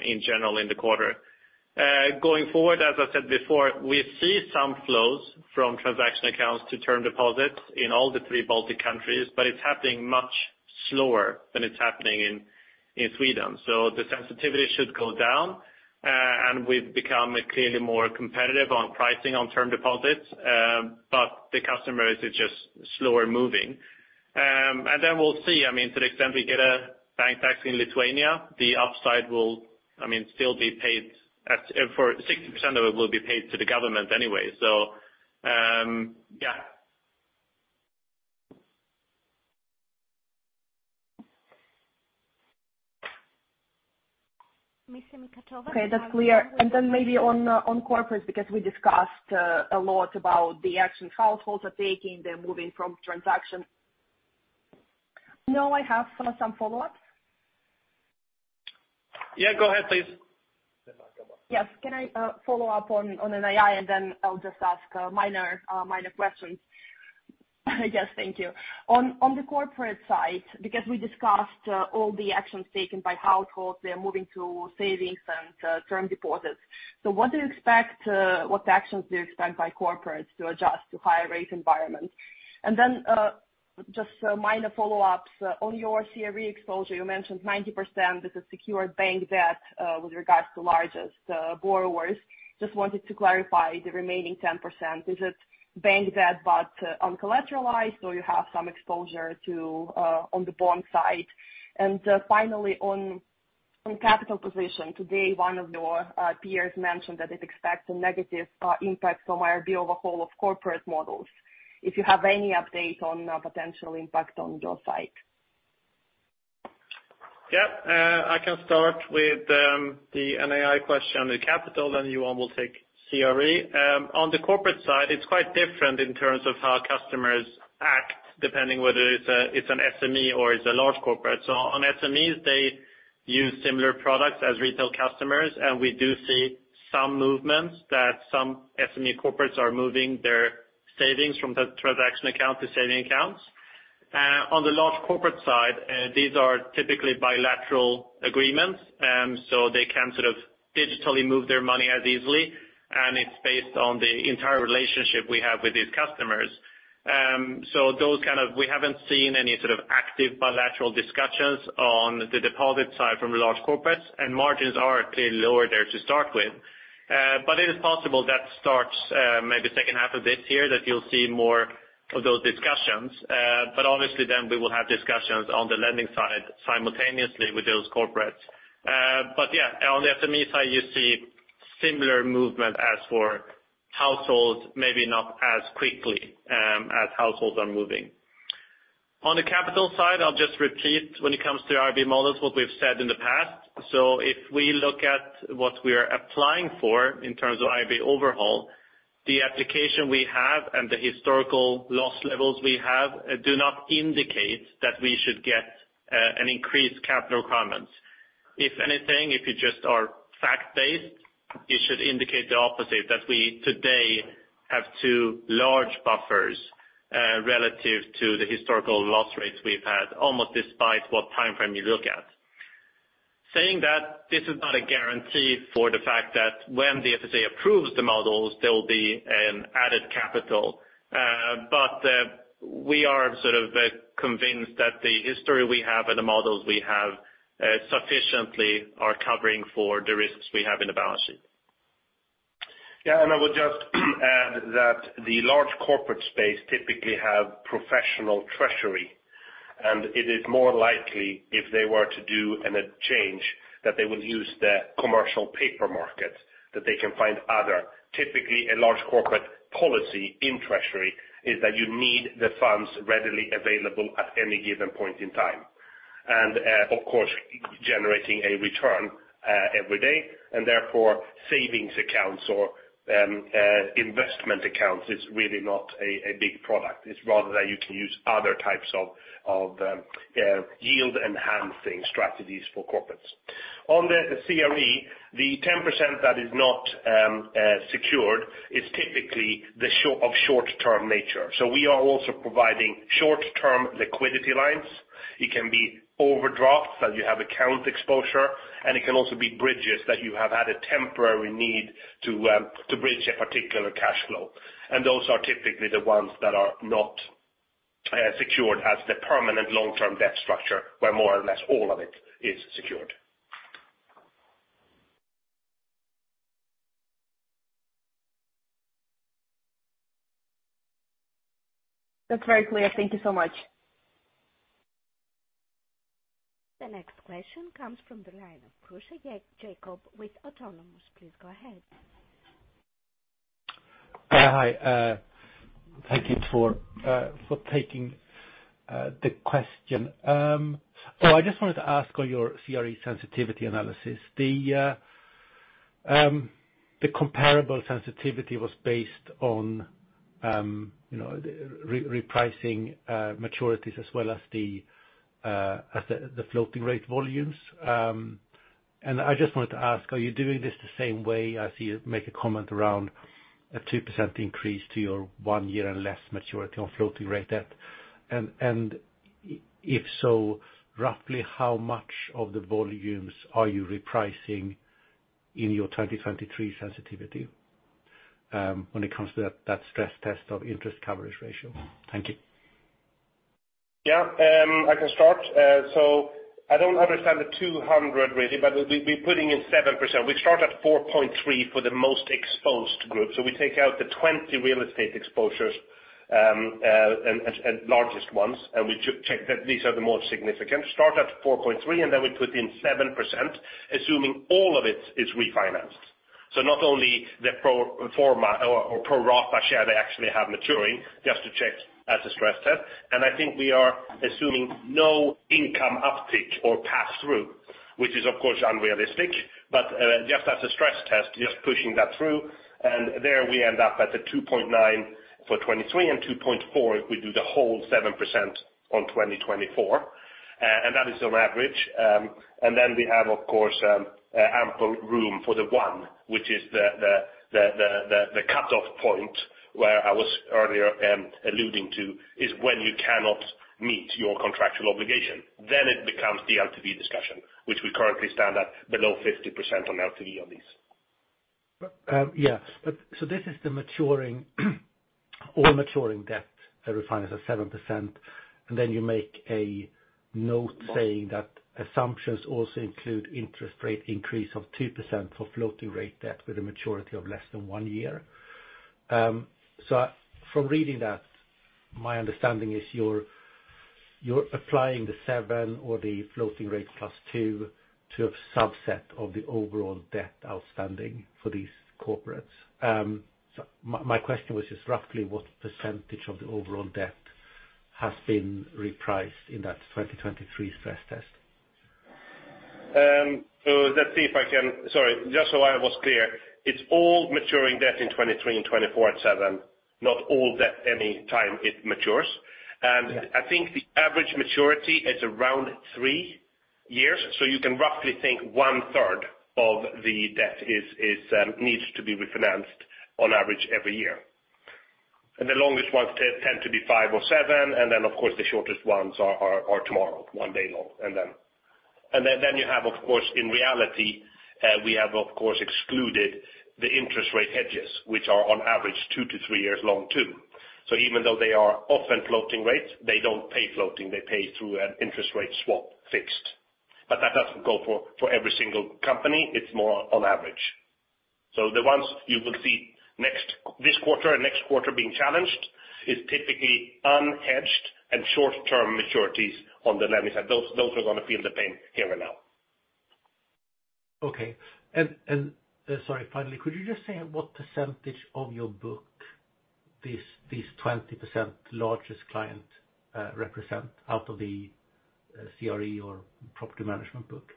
in general in the quarter. Going forward, as I said before, we see some flows from transaction accounts to term deposits in all the three Baltic countries, but it's happening much slower than it's happening in Sweden. The sensitivity should go down, and we've become clearly more competitive on pricing on term deposits, but the customers are just slower moving. We'll see. I mean, to the extent we get a bank tax in Lithuania, the upside will, I mean, still be paid at, for 60% of it will be paid to the government anyway. Yeah. Ms. Semikhatova- Okay, that's clear. Then maybe on corporate, because we discussed a lot about the action households are taking, they're moving from transaction. No, I have some follow-ups. Yeah, go ahead, please. Yes. Can I follow up on NII, and then I'll just ask minor questions? Yes, thank you. On, on the corporate side, because we discussed all the actions taken by households, they are moving to savings and term deposits. What do you expect, what actions do you expect by corporates to adjust to higher rate environments? Then just a minor follow-ups. On your CRE exposure, you mentioned 90% is a secured bank debt, with regards to largest borrowers. Just wanted to clarify the remaining 10%, is it bank debt, but uncollateralized, or you have some exposure to on the bond side? Finally, on capital position, today, one of your peers mentioned that it expects a negative impact from IRB overhaul of corporate models. If you have any update on a potential impact on your side? Yeah. I can start with the NII question, the capital. Johan will take CRE. On the corporate side, it's quite different in terms of how customers act, depending whether it's an SME or it's a large corporate. On SMEs, they use similar products as retail customers, and we do see some movements that some SME corporates are moving their savings from the transaction account to saving accounts. On the large corporate side, these are typically bilateral agreements. They can't sort of digitally move their money as easily, and it's based on the entire relationship we have with these customers. We haven't seen any sort of active bilateral discussions on the deposit side from the large corporates, and margins are clearly lower there to start with. It is possible that starts, maybe second half of this year that you'll see more of those discussions. Obviously then we will have discussions on the lending side simultaneously with those corporates. Yeah, on the SME side, you see similar movement as for households, maybe not as quickly, as households are moving. On the capital side, I'll just repeat when it comes to IRB models, what we've said in the past. If we look at what we are applying for in terms of IRB overhaul, the application we have and the historical loss levels we have, do not indicate that we should get, an increased capital requirements. If anything, if you just are fact-based, it should indicate the opposite, that we today have two large buffers relative to the historical loss rates we've had almost despite what time frame you look at. Saying that, this is not a guarantee for the fact that when the FSA approves the models, there will be an added capital. We are sort of convinced that the history we have and the models we have sufficiently are covering for the risks we have in the balance sheet. I would just add that the large corporate space typically have professional treasury, and it is more likely if they were to do an exchange that they will use the commercial paper market, that they can find other. Typically, a large corporate policy in treasury is that you need the funds readily available at any given point in time. Of course, generating a return every day, and therefore savings accounts or investment accounts is really not a big product. It's rather that you can use other types of yield-enhancing strategies for corporates. On the CRE, the 10% that is not secured is typically of short-term nature. We are also providing short-term liquidity lines. It can be overdraft that you have account exposure, and it can also be bridges that you have had a temporary need to bridge a particular cash flow. Those are typically the ones that are not secured as the permanent long-term debt structure, where more or less all of it is secured. That's very clear. Thank you so much. The next question comes from the line of Jacob Kruse with Autonomous. Please go ahead. Hi. Thank you for taking the question. I just wanted to ask on your CRE sensitivity analysis. The comparable sensitivity was based on, you know, re-repricing maturities as well as the as the the floating rate volumes. I just wanted to ask, are you doing this the same way? I see you make a comment around a 2% increase to your one year and less maturity on floating rate debt. If so, roughly how much of the volumes are you repricing in your 2023 sensitivity, when it comes to that stress test of interest coverage ratio? Thank you. I can start. I don't understand the 200 really, but we'll be putting in 7%. We start at 4.3 for the most exposed group. We take out the 20 real estate exposures, and largest ones, and we check that these are the most significant. Start at 4.3, and then we put in 7%, assuming all of it is refinanced. Not only the pro forma or pro rata share they actually have maturing, just to check as a stress test. I think we are assuming no income uptick or pass-through, which is of course unrealistic. Just as a stress test, just pushing that through, and there we end up at the 2.9 for 2023 and 2.4 if we do the whole 7% on 2024. That is on average. Then we have, of course, ample room for the one, which is the cutoff point where I was earlier, alluding to, is when you cannot meet your contractual obligation. It becomes the LTV discussion, which we currently stand at below 50% on LTV on these. Yeah. So this is the maturing, all maturing debt refinance of 7%, and then you make a note saying that assumptions also include interest rate increase of 2% for floating rate debt with a maturity of less than one year. From reading that, my understanding is you're applying the seven or the floating rate +2 to a subset of the overall debt outstanding for these corporates. So my question was just roughly what percentage of the overall debt has been repriced in that 2023 stress test? Let's see if I can... Sorry, just so I was clear, it's all maturing debt in 2023 and 2024 at seven, not all debt any time it matures. I think the average maturity is around three years. You can roughly think 1/3 of the debt is needs to be refinanced on average every year. The longest ones tend to be five or seven. Of course, the shortest ones are tomorrow, one day long. You have, of course, in reality, we have, of course, excluded the interest rate hedges, which are on average two-three years long too. Even though they are often floating rates, they don't pay floating, they pay through an interest rate swap fixed. That doesn't go for every single company, it's more on average. The ones you will see next, this quarter and next quarter being challenged is typically unhedged and short-term maturities on the lending side. Those are going to feel the pain here and now. Okay. Sorry, finally, could you just say what percentage of your book these 20% largest client represent out of the CRE or property management book?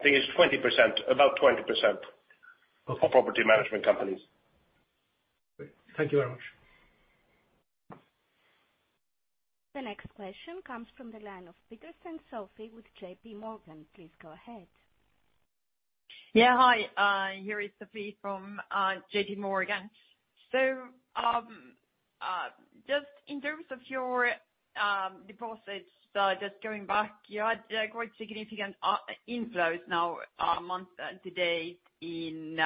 I think it's 20%, about 20% for property management companies. Great. Thank you very much. The next question comes from the line of Sofie Peterzens with JPMorgan. Please go ahead. Yeah. Hi, here is Sophie from JPMorgan. Just in terms of your deposits, just going back, you had a quite significant inflows now month to date in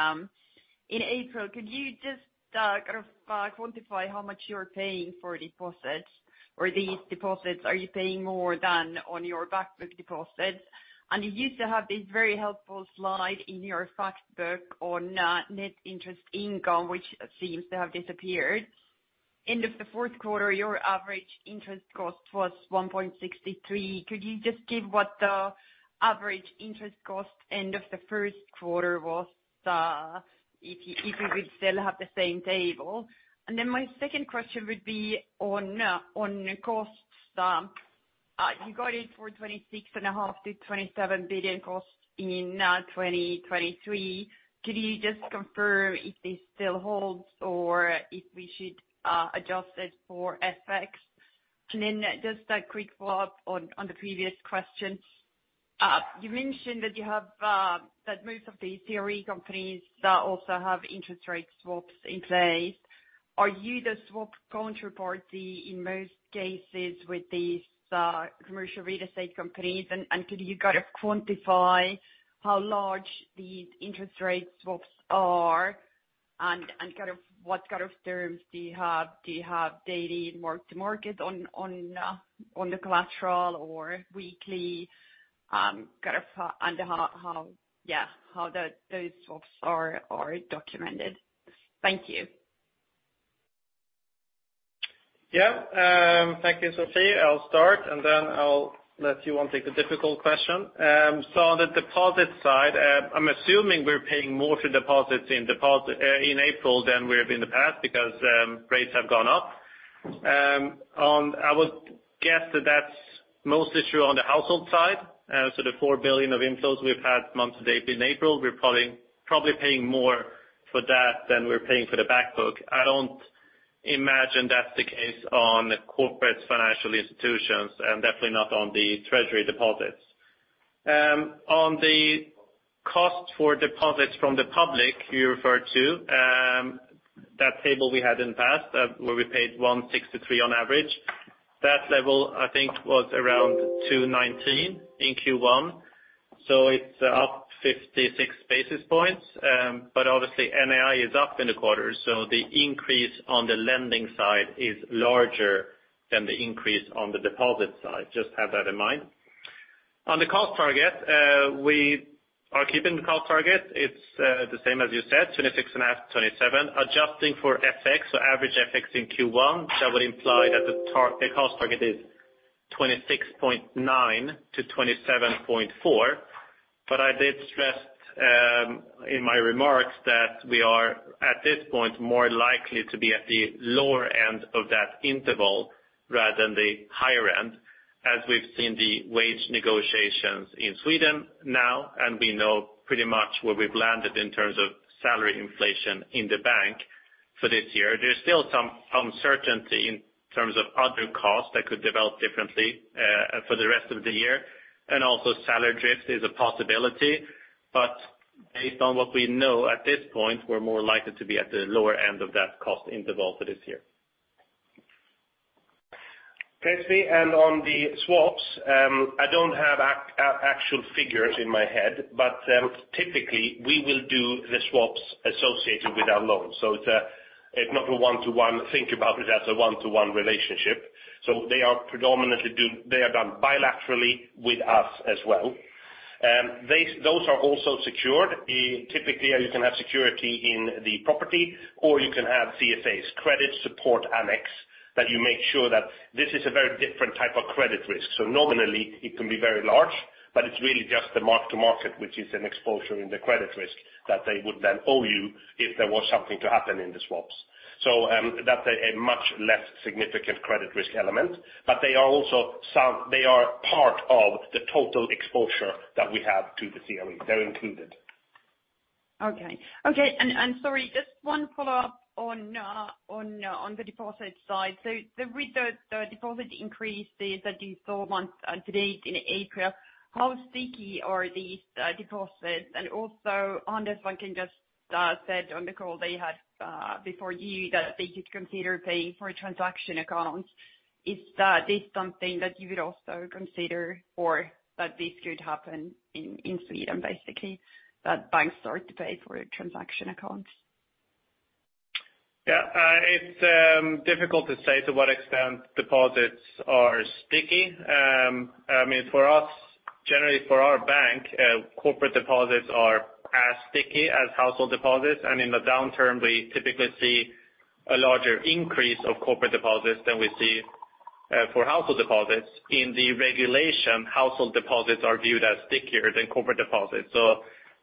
April. Could you just kind of quantify how much you're paying for deposits or these deposits? Are you paying more than on your back book deposits? You used to have this very helpful slide in your fact book on Net Interest Income, which seems to have disappeared. End of the fourth quarter, your average interest cost was 1.63%. Could you just give what the average interest cost end of the first quarter was, if you would still have the same table? My second question would be on costs. You got it for 26.5 billion-27 billion costs in 2023. Could you just confirm if this still holds or if we should adjust it for FX? Just a quick follow-up on the previous question. You mentioned that you have that most of these CRE companies also have interest rate swaps in place. Are you the swap counterparty in most cases with these commercial real estate companies? Could you kind of quantify how large these interest rate swaps are and kind of what kind of terms do you have? Do you have daily mark to market on the collateral or weekly, and how those swaps are documented? Thank you. Yeah. Thank you, Sophie. Then I'll let Johan take the difficult question. On the deposit side, I'm assuming we're paying more for deposits in deposit in April than we have in the past because rates have gone up. I would guess that that's mostly true on the household side. The 4 billion of inflows we've had month to date in April, we're probably paying more for that than we're paying for the back book. I don't imagine that's the case on corporate financial institutions and definitely not on the treasury deposits. On the cost for deposits from the public you referred to, that table we had in the past where we paid 163 on average, that level I think was around 219 in Q1, it's up 56 basis points. Obviously NII is up in the quarter, the increase on the lending side is larger than the increase on the deposit side. Just have that in mind. On the cost target, we are keeping the cost target. It's the same as you said, 26.5, 27. Adjusting for FX, average FX in Q1, that would imply that the cost target is 26.9 to 27.4. I did stress in my remarks that we are, at this point, more likely to be at the lower end of that interval rather than the higher end, as we've seen the wage negotiations in Sweden now, and we know pretty much where we've landed in terms of salary inflation in the bank for this year. There's still some uncertainty in terms of other costs that could develop differently, for the rest of the year. Also salary drift is a possibility, but based on what we know at this point, we're more likely to be at the lower end of that cost interval for this year. Thanks, Sophie. On the swaps, I don't have actual figures in my head, but typically we will do the swaps associated with our loans. It's not a one-to-one. Think about it as a one-to-one relationship. They are predominantly they are done bilaterally with us as well. Those are also secured. Typically, you can have security in the property, or you can have CSAs, Credit Support Annex, that you make sure that this is a very different type of credit risk. Nominally, it can be very large, but it's really just the mark to market, which is an exposure in the credit risk that they would then owe you if there was something to happen in the swaps. That's a much less significant credit risk element. They are also part of the total exposure that we have to the CRE. They're included. Okay. Okay. Sorry, just one follow-up on the deposit side. The deposit increase is that you saw month to date in April, how sticky are these deposits? Also Anders I think just said on the call they had before you that they could consider paying for a transaction account. Is this something that you would also consider or that this could happen in Sweden, basically, that banks start to pay for transaction accounts? Yeah. It's difficult to say to what extent deposits are sticky. I mean, for us, generally for our bank, corporate deposits are as sticky as household deposits, and in the downturn, we typically see a larger increase of corporate deposits than we see for household deposits. In the regulation, household deposits are viewed as stickier than corporate deposits.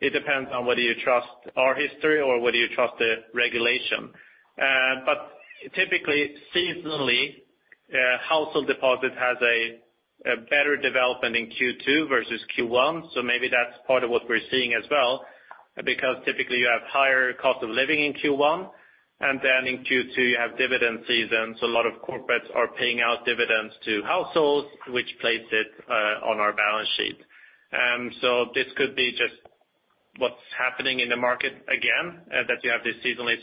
It depends on whether you trust our history or whether you trust the regulation. Typically, seasonally, household deposit has a better development in Q2 versus Q1, so maybe that's part of what we're seeing as well. Because typically you have higher cost of living in Q1, and then in Q2 you have dividend season, a lot of corporates are paying out dividends to households, which plays it, on our balance sheet. This could be just what's happening in the market again, that you have this seasonally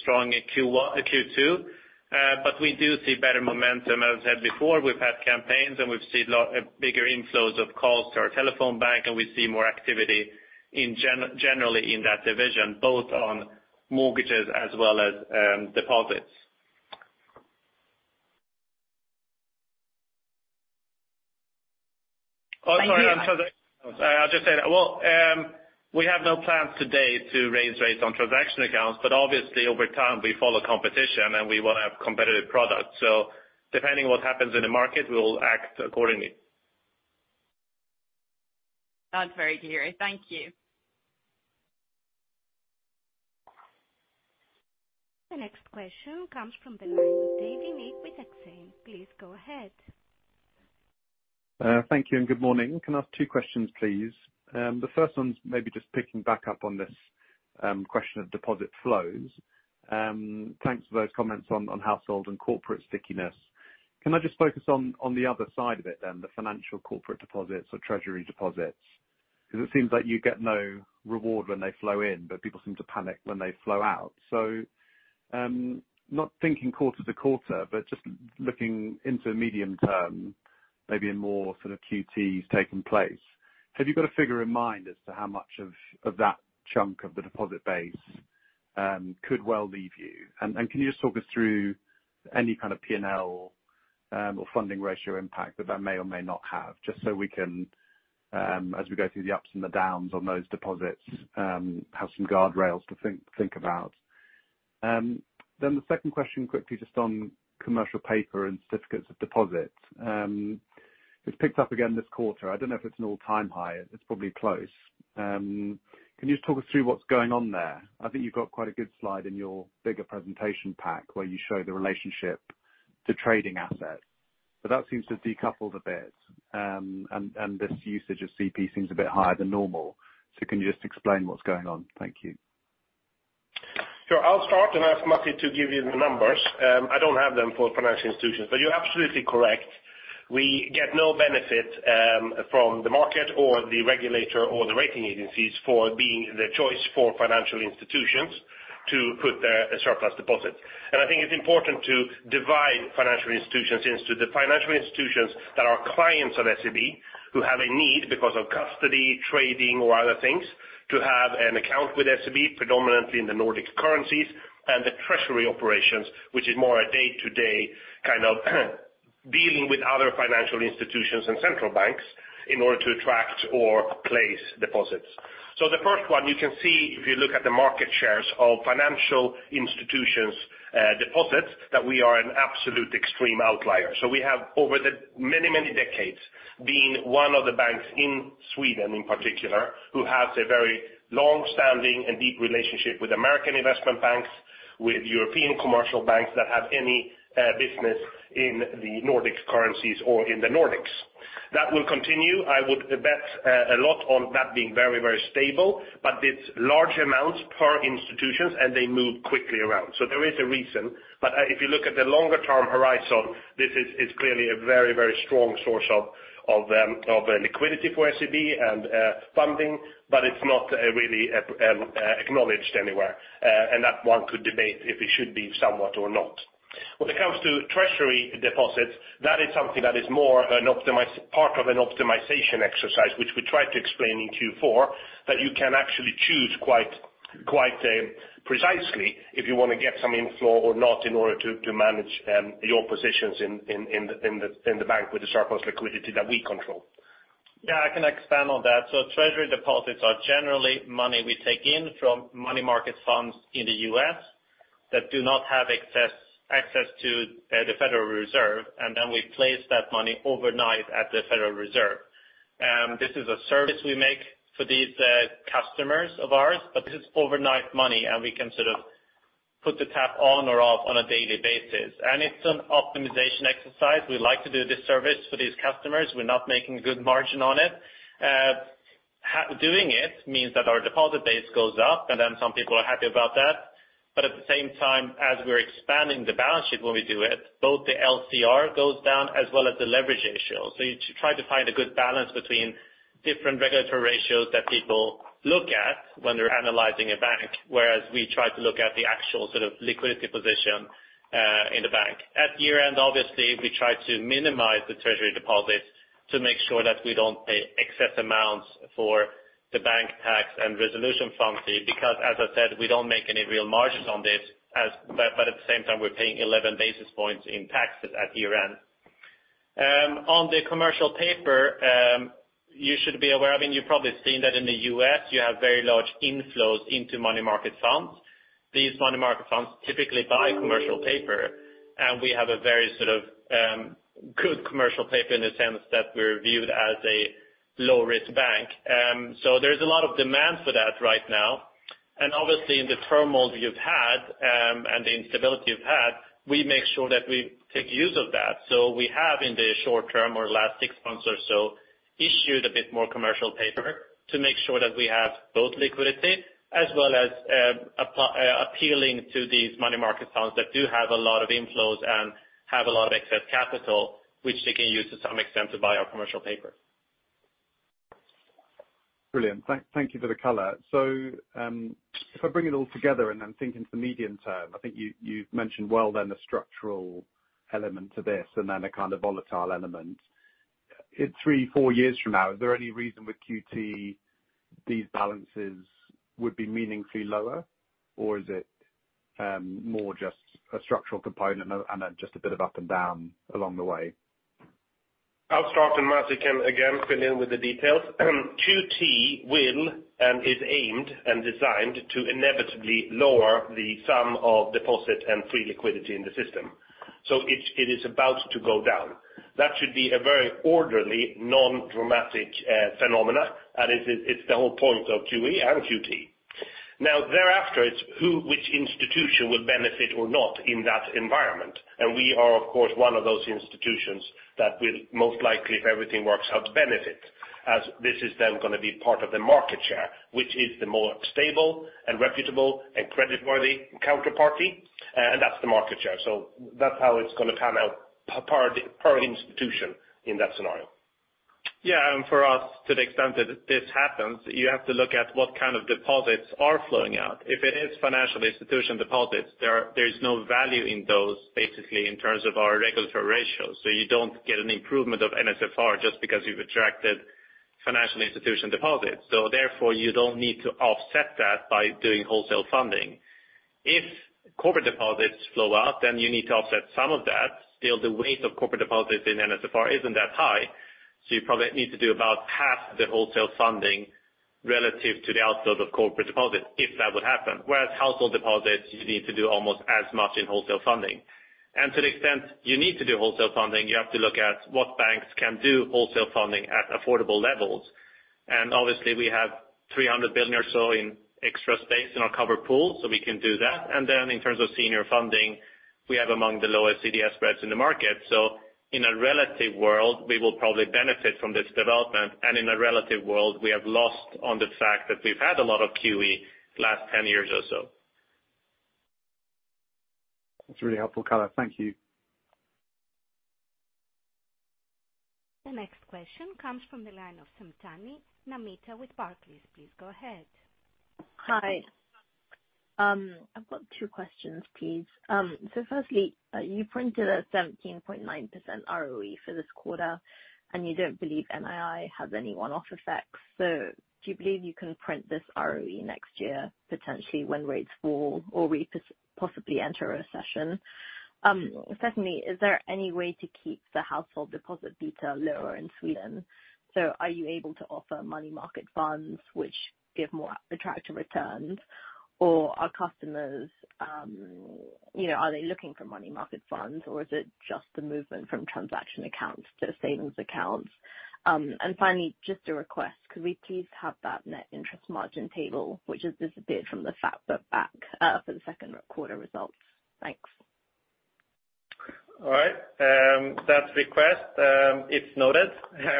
strong Q2. We do see better momentum. As I've said before, we've had campaigns and we've seen bigger inflows of calls to our telephone bank, and we see more activity generally in that division, both on mortgages as well as, deposits. Sorry, I'm... I'll just say that. We have no plans to date to raise rates on transaction accounts, but obviously, over time we follow competition and we will have competitive products. Depending what happens in the market, we will act accordingly. That's very clear. Thank you. The next question comes from the line of Nick Davey with Exane. Please go ahead. Thank you. Good morning. Can I ask two questions, please? The first one's maybe just picking back up on this question of deposit flows. Thanks for those comments on household and corporate stickiness. Can I just focus on the other side of it then, the financial corporate deposits or treasury deposits? It seems like you get no reward when they flow in, but people seem to panic when they flow out. Not thinking quarter to quarter, but just looking into medium term, maybe in more sort of QTs taking place. Have you got a figure in mind as to how much of that chunk of the deposit base could well leave you? Can you just talk us through any kind of P&L or funding ratio impact that that may or may not have, just so we can, as we go through the ups and the downs on those deposits, have some guardrails to think about. The second question, quickly, just on commercial paper and certificates of deposits. It's picked up again this quarter. I don't know if it's an all-time high. It's probably close. Can you just talk us through what's going on there? I think you've got quite a good slide in your bigger presentation pack where you show the relationship to trading assets, but that seems to have decoupled a bit, and this usage of CP seems a bit higher than normal. Can you just explain what's going on? Thank you. Sure. I'll start and ask Masih to give you the numbers. I don't have them for financial institutions, but you're absolutely correct. We get no benefit from the market or the regulator or the rating agencies for being the choice for financial institutions to put their surplus deposits. I think it's important to divide financial institutions into the financial institutions that are clients of SEB, who have a need because of custody, trading, or other things, to have an account with SEB, predominantly in the Nordics currencies, and the treasury operations, which is more a day-to-day kind of dealing with other financial institutions and central banks in order to attract or place deposits. The first one you can see if you look at the market shares of financial institutions' deposits, that we are an absolute extreme outlier. We have over the many, many decades been one of the banks in Sweden in particular, who has a very long-standing and deep relationship with American investment banks, with European commercial banks that have any business in the Nordics currencies or in the Nordics. That will continue. I would bet a lot on that being very, very stable, but it's large amounts per institutions, and they move quickly around. There is a reason. If you look at the longer term horizon, this is, it's clearly a very, very strong source of liquidity for SEB and funding, but it's not really acknowledged anywhere, and that one could debate if it should be somewhat or not. When it comes to treasury deposits, that is something that is more part of an optimization exercise, which we tried to explain in Q4, that you can actually choose quite precisely if you wanna get some inflow or not in order to manage your positions in the bank with the surplus liquidity that we control. Yeah, I can expand on that. Treasury deposits are generally money we take in from money market funds in the U.S. that do not have access to the Federal Reserve, and then we place that money overnight at the Federal Reserve. This is a service we make for these customers of ours, this is overnight money and we can sort of put the tap on or off on a daily basis. It's an optimization exercise. We like to do this service for these customers. We're not making good margin on it. Doing it means that our deposit base goes up and some people are happy about that. At the same time, as we're expanding the balance sheet when we do it, both the LCR goes down as well as the leverage ratio. You try to find a good balance between different regulatory ratios that people look at when they're analyzing a bank, whereas we try to look at the actual sort of liquidity position in the bank. At year-end, obviously, we try to minimize the treasury deposits to make sure that we don't pay excess amounts for the bank tax and resolution fund fee, because as I said, we don't make any real margins on this as, but at the same time, we're paying 11 basis points in taxes at year-end. On the commercial paper, you should be aware, I mean, you've probably seen that in the U.S. you have very large inflows into money market funds. These money market funds typically buy commercial paper, and we have a very sort of good commercial paper in the sense that we're viewed as a low-risk bank. There's a lot of demand for that right now. Obviously in the turmoil we've had, and the instability we've had, we make sure that we take use of that. We have, in the short term or last six months or so, issued a bit more commercial paper to make sure that we have both liquidity as well as, appealing to these money market funds that do have a lot of inflows and have a lot of excess capital, which they can use to some extent to buy our commercial paper. Brilliant. Thank you for the color. If I bring it all together and I'm thinking to the medium term, I think you've mentioned well then the structural element to this and then a kind of volatile element. In three, four years from now, is there any reason with QT these balances would be meaningfully lower, or is it more just a structural component and then just a bit of up and down along the way? I'll start and Masih, you can again fill in with the details. QT will and is aimed and designed to inevitably lower the sum of deposit and free liquidity in the system. It is about to go down. That should be a very orderly, non-dramatic phenomena, and it's the whole point of QE and QT. Thereafter, it's which institution will benefit or not in that environment. We are of course, one of those institutions that will most likely, if everything works out, benefit as this is then gonna be part of the market share, which is the more stable and reputable and creditworthy counterparty, and that's the market share. That's how it's gonna pan out per institution in that scenario. Yeah. For us, to the extent that this happens, you have to look at what kind of deposits are flowing out. If it is financial institution deposits, there is no value in those basically in terms of our regulatory ratios. You don't get an improvement of NSFR just because you've attracted financial institution deposits. Therefore you don't need to offset that by doing wholesale funding. If corporate deposits flow out, you need to offset some of that. Still, the weight of corporate deposits in NSFR isn't that high, so you probably need to do about half the wholesale funding relative to the outsize of corporate deposits if that would happen. Whereas household deposits, you need to do almost as much in wholesale funding. To the extent you need to do wholesale funding, you have to look at what banks can do wholesale funding at affordable levels. Obviously we have 300 billion or so in extra space in our cover pool, so we can do that. In terms of senior funding, we have among the lowest CDS spreads in the market. In a relative world, we will probably benefit from this development. In a relative world, we have lost on the fact that we've had a lot of QE the last 10 years or so. That's really helpful color. Thank you. The next question comes from the line of Namita Samtani with Barclays. Please go ahead. Hi. I've got two questions, please. Firstly, you printed a 17.9% ROE for this quarter, and you don't believe NII has any one-off effects. Do you believe you can print this ROE next year, potentially when rates fall or we possibly enter a recession? Secondly, is there any way to keep the household deposit beta lower in Sweden? Are you able to offer money market funds which give more attractive returns, or are customers, you know, are they looking for money market funds, or is it just the movement from transaction accounts to savings accounts? Finally, just a request, could we please have that net interest margin table, which has disappeared from the fact book back, for the second quarter results? Thanks. All right. That request, it's noted,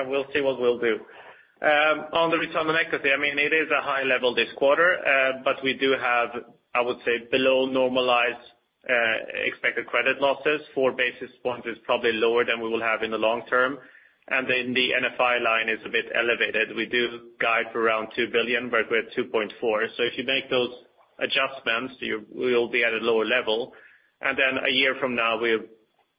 we'll see what we'll do. On the return on equity, I mean, it is a high level this quarter, but we do have, I would say, below normalized expected credit losses. 4 basis points is probably lower than we will have in the long term, the NFI line is a bit elevated. We do guide for around 2 billion, but we're at 2.4 billion. If you make those adjustments, we'll be at a lower level. A year from now, we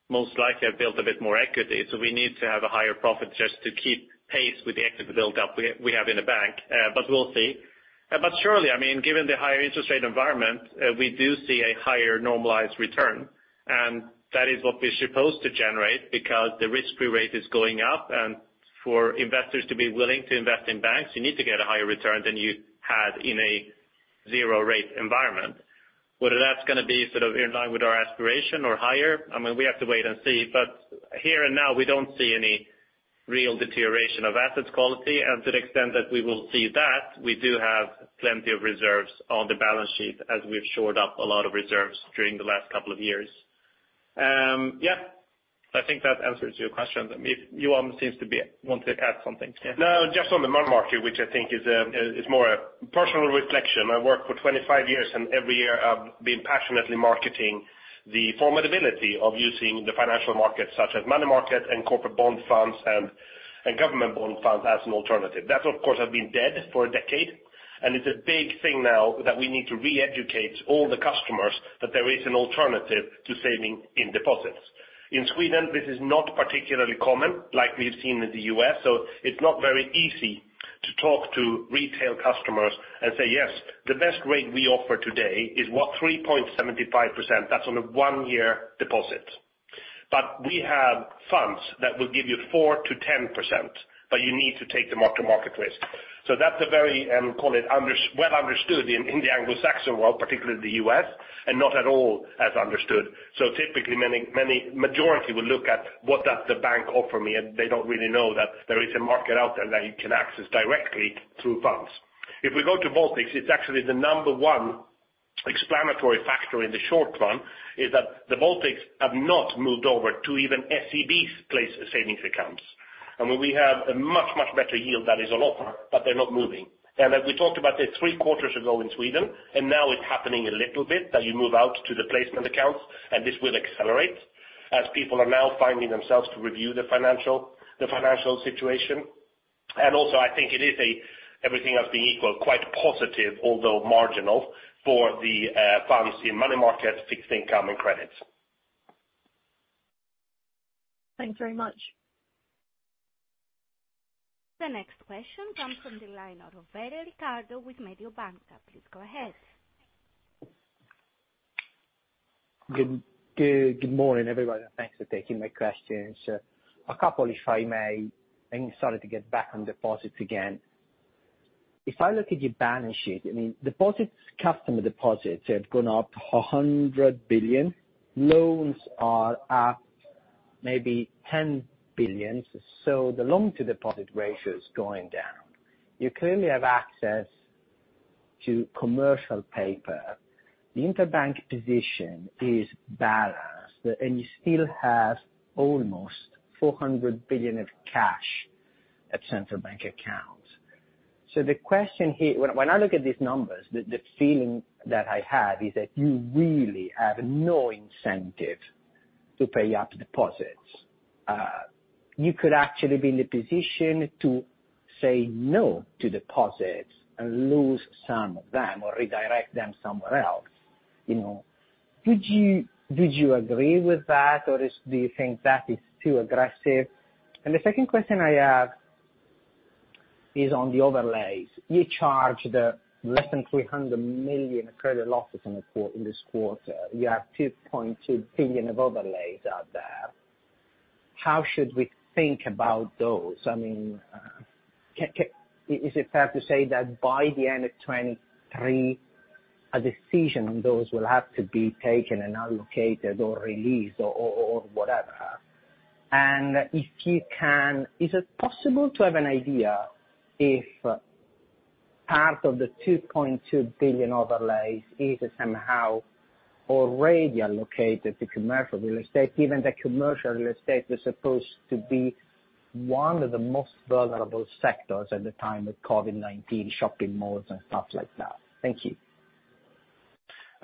most likely have built a bit more equity, so we need to have a higher profit just to keep pace with the equity buildup we have in the bank. We'll see. Surely, I mean, given the higher interest rate environment, we do see a higher normalized return, and that is what we're supposed to generate because the risk-free rate is going up. For investors to be willing to invest in banks, you need to get a higher return than you had in a zero rate environment. Whether that's gonna be sort of in line with our aspiration or higher, I mean, we have to wait and see. Here and now, we don't see any real deterioration of assets quality. To the extent that we will see that, we do have plenty of reserves on the balance sheet as we've shored up a lot of reserves during the last couple of years. Yeah, I think that answers your question. Johan seems to be want to add something. No, just on the money market, which I think is more a personal reflection. I worked for 25 years, and every year I've been passionately marketing the formidability of using the financial markets, such as money market and corporate bond funds and government bond funds as an alternative. That of course, have been dead for a decade, and it's a big thing now that we need to re-educate all the customers that there is an alternative to saving in deposits. In Sweden, this is not particularly common like we've seen in the U.S., so it's not very easy to talk to retail customers and say, "Yes, the best rate we offer today is, what, 3.75%. That's on a one-year deposit. We have funds that will give you 4%-10%, but you need to take the market risk. That's a very, call it well understood in the Anglo-Saxon world, particularly the US, and not at all as understood. Typically many majority will look at what does the bank offer me, and they don't really know that there is a market out there they can access directly through funds. If we go to Baltics, it's actually the number one-explanatory factor in the short run is that the Baltics have not moved over to even SEB's place savings accounts. When we have a much better yield, that is on offer, but they're not moving. As we talked about this three quarters ago in Sweden, and now it's happening a little bit, that you move out to the placement accounts, and this will accelerate as people are now finding themselves to review the financial situation. Also, I think it is a everything else being equal, quite positive, although marginal, for the funds in money market, fixed income, and credits. Thanks very much. The next question comes from the line of Riccardo Rovere with Mediobanca. Please go ahead. Good morning, everybody. Thanks for taking my questions. A couple if I may. Sorry to get back on deposits again. If I look at your balance sheet, I mean, deposits, customer deposits have gone up 100 billion. Loans are up maybe 10 billion, so the loan to deposit ratio is going down. You clearly have access to commercial paper. The interbank position is balanced, and you still have almost 400 billion of cash at central bank accounts. The question here. When I look at these numbers, the feeling that I have is that you really have no incentive to pay up deposits. You could actually be in the position to say no to deposits and lose some of them or redirect them somewhere else, you know. Would you agree with that, or do you think that is too aggressive? The second question I have is on the overlays. You charge the less than 300 million credit losses in this quarter. You have 2.2 billion of overlays out there. How should we think about those? I mean, is it fair to say that by the end of 2023, a decision on those will have to be taken and allocated or released or whatever? And if you can, is it possible to have an idea if part of the 2.2 billion overlays is somehow already allocated to Commercial Real Estate, given that Commercial Real Estate is supposed to be one of the most vulnerable sectors at the time of COVID-19, shopping malls and stuff like that? Thank you.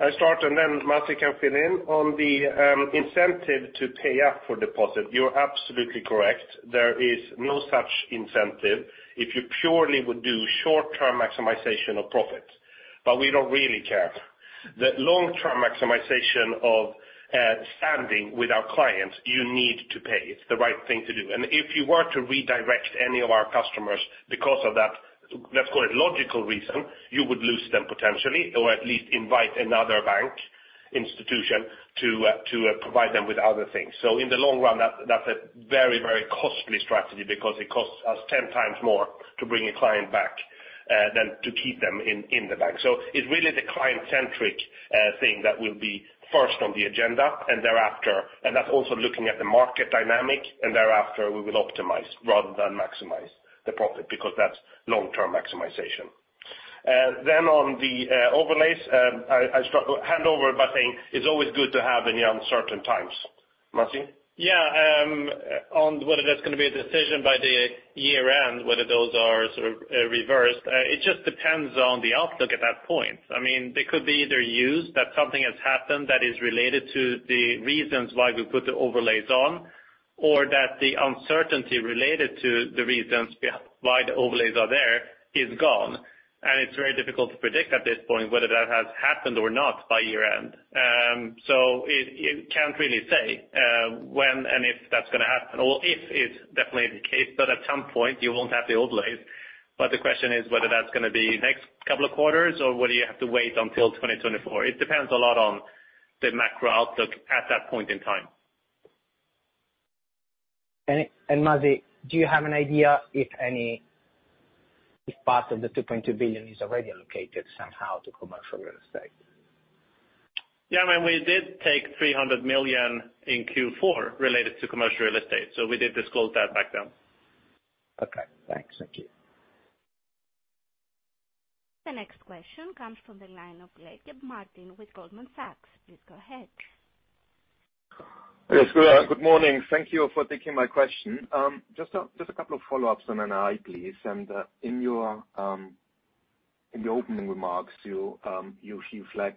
I start, then Masih can fill in. On the incentive to pay up for deposit, you're absolutely correct. There is no such incentive if you purely would do short-term maximization of profits, we don't really care. The long-term maximization of standing with our clients, you need to pay. It's the right thing to do. If you were to redirect any of our customers because of that, let's call it logical reason, you would lose them potentially or at least invite another bank institution to provide them with other things. In the long run, that's a very, very costly strategy because it costs us 10 times more to bring a client back than to keep them in the bank. It's really the client-centric thing that will be first on the agenda and thereafter... That's also looking at the market dynamic, and thereafter we will optimize rather than maximize the profit, because that's long-term maximization. On the overlays, I struggle. Hand over, but I think it's always good to have in the uncertain times. Masih? Yeah. On whether there's gonna be a decision by the year-end, whether those are sort of reversed, it just depends on the outlook at that point. I mean, they could be either used, that something has happened that is related to the reasons why we put the overlays on, or that the uncertainty related to the reasons we have, why the overlays are there is gone. It's very difficult to predict at this point whether that has happened or not by year-end. So it can't really say when and if that's gonna happen, or if is definitely the case, but at some point you won't have the overlays. The question is whether that's gonna be next couple of quarters or whether you have to wait until 2024. It depends a lot on the macro outlook at that point in time. Masih, do you have an idea if any, if part of the 2.2 billion is already allocated somehow to Commercial Real Estate? Yeah, I mean, we did take 300 million in Q4 related to Commercial Real Estate, so we did disclose that back then. Okay. Thanks. Thank you. The next question comes from the line of Martin Leitgeb with Goldman Sachs. Please go ahead. Yes. Good, good morning. Thank you for taking my question. Just a couple of follow-ups on NII, please. In your opening remarks, you flag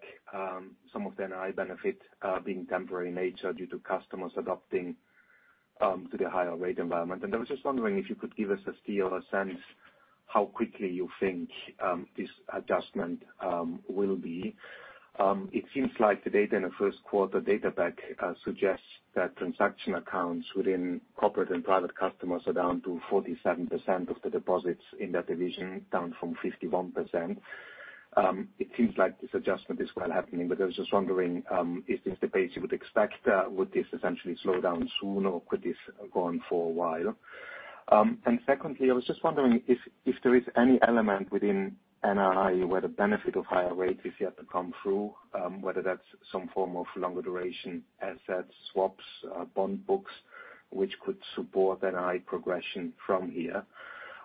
some of the NII benefit being temporary in nature due to customers adopting to the higher rate environment. I was just wondering if you could give us a feel or sense how quickly you think this adjustment will be. It seems like the data in the first quarter, data back, suggests that transaction accounts within corporate and private customers are down to 47% of the deposits in that division, down from 51%. It seems like this adjustment is well happening, but I was just wondering, is this the pace you would expect? Would this essentially slow down soon, or could this go on for a while? Secondly, I was just wondering if there is any element within NII where the benefit of higher rates is yet to come through, whether that's some form of longer duration assets, swaps, bond books, which could support an high progression from here.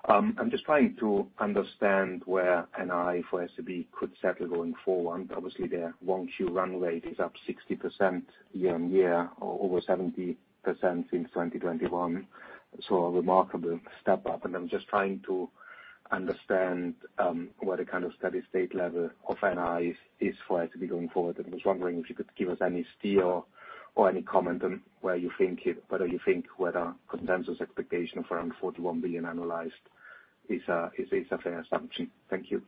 I'm just trying to understand where NI for SEB could settle going forward. Obviously, their 1Q run rate is up 60% year-on-year or over 70% since 2021. So a remarkable step up. I'm just trying to understand, what a kind of steady-state level of NII is for us to be going forward. I was wondering if you could give us any steer or any comment on where you think it... Whether you think whether consensus expectation of around 41 billion analyzed is a fair assumption. Thank you.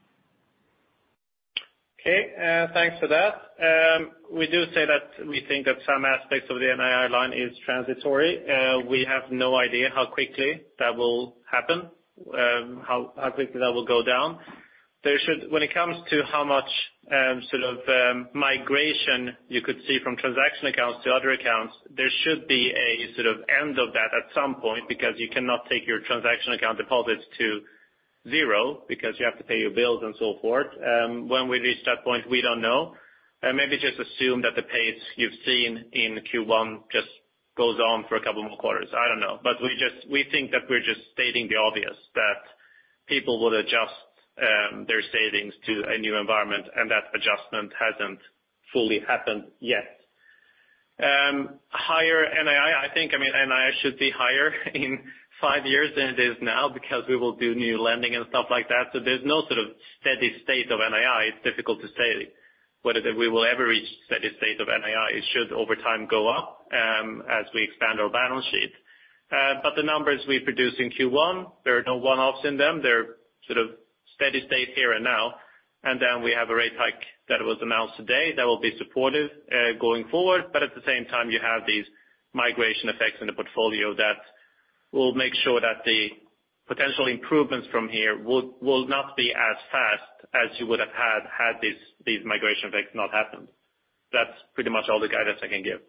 Okay. Thanks for that. We do say that we think that some aspects of the NII line is transitory. We have no idea how quickly that will happen, how quickly that will go down. When it comes to how much, sort of, migration you could see from transaction accounts to other accounts, there should be a sort of end of that at some point, because you cannot take your transaction account deposits to zero because you have to pay your bills and so forth. When we reach that point, we don't know. Maybe just assume that the pace you've seen in Q1 just goes on for a couple more quarters. I don't know. We think that we're just stating the obvious, that people would adjust their savings to a new environment, and that adjustment hasn't fully happened yet. Higher NII, I think, I mean, NII should be higher in five years than it is now because we will do new lending and stuff like that. There's no sort of steady state of NII. It's difficult to say whether we will ever reach steady state of NII. It should, over time, go up as we expand our balance sheet. The numbers we produce in Q1, there are no one-offs in them. They're sort of steady state here and now. We have a rate hike that was announced today that will be supportive going forward. At the same time, you have these migration effects in the portfolio that will make sure that the potential improvements from here will not be as fast as you would have had these migration effects not happened. That's pretty much all the guidance I can give.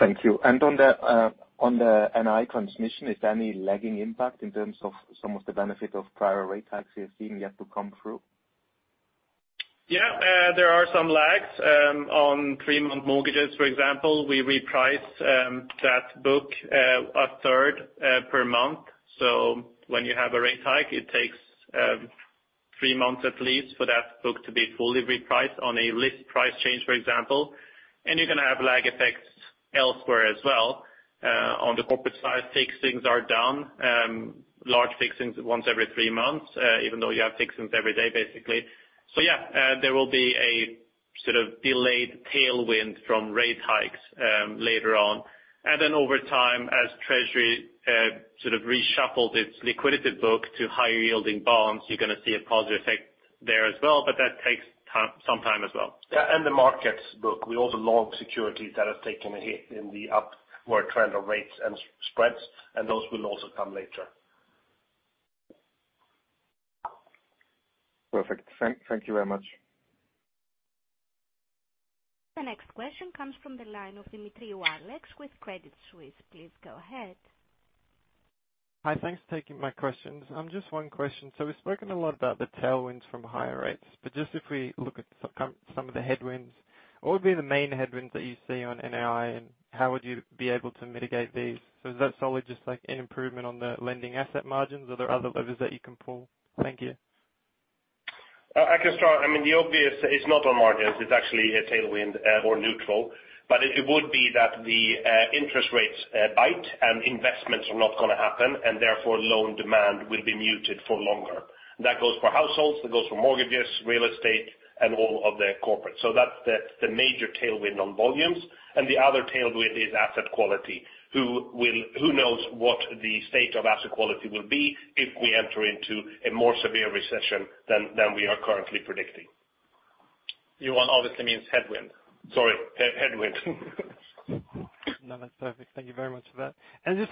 Thank you. On the, on the NII transmission, is there any lagging impact in terms of some of the benefit of prior rate hikes you're seeing yet to come through? Yeah, there are some lags on three month mortgages, for example. We reprice that book a third per month. When you have a rate hike, it takes three months at least for that book to be fully repriced on a list price change, for example. You're gonna have lag effects elsewhere as well. On the corporate side, fixings are down, large fixings once every three months, even though you have fixings every day, basically. Yeah, there will be a sort of delayed tailwind from rate hikes later on. Over time, as Treasury sort of reshuffled its liquidity book to higher yielding bonds, you're gonna see a positive effect there as well, but that takes time, some time as well. Yeah, the markets book, we also logged securities that have taken a hit in the upward trend of rates and spreads, and those will also come later. Perfect. Thank you very much. The next question comes from the line of Alex Demetriou with Credit Suisse. Please go ahead. Hi. Thanks for taking my questions. Just one question. We've spoken a lot about the tailwinds from higher rates, but just if we look at some of the headwinds, what would be the main headwinds that you see on NII, and how would you be able to mitigate these? Is that solely just like an improvement on the lending asset margins? Are there other levers that you can pull? Thank you. I can start. I mean, the obvious is not on margins, it's actually a tailwind, or neutral. It would be that the interest rates bite and investments are not gonna happen, and therefore, loan demand will be muted for longer. That goes for households, it goes for mortgages, real estate, and all of the corporate. That's the major tailwind on volumes. The other tailwind is asset quality. Who knows what the state of asset quality will be if we enter into a more severe recession than we are currently predicting. You want obviously means headwind. Sorry, headwind. No, that's perfect. Thank you very much for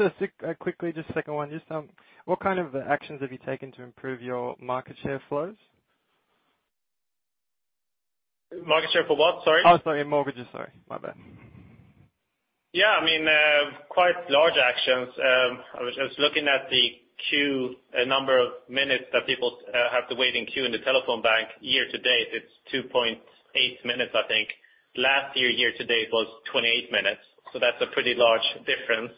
that. Quickly, just a second one. Just, what kind of actions have you taken to improve your market share flows? Market share for what? Sorry. Oh, sorry, mortgages. Sorry. My bad. I mean, quite large actions. I was looking at the queue, number of minutes that people have to wait in queue in the telephone bank. Year to date, it's 2.8 minutes, I think. Last year to date was 28 minutes. That's a pretty large difference.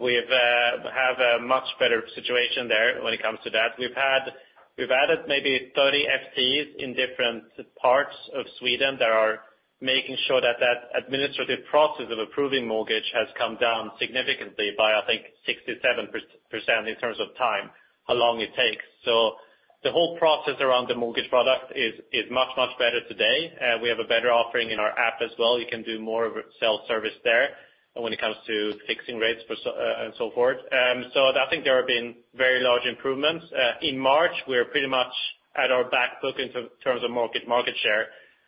We've have a much better situation there when it comes to that. We've added maybe 30 FTEs in different parts of Sweden that are making sure that that administrative process of approving mortgage has come down significantly by, I think, 67% in terms of time, how long it takes. The whole process around the mortgage product is much, much better today. We have a better offering in our app as well. You can do more of a self-service there when it comes to fixing rates for so, and so forth. I think there have been very large improvements. In March, we're pretty much at our back book in terms of market share,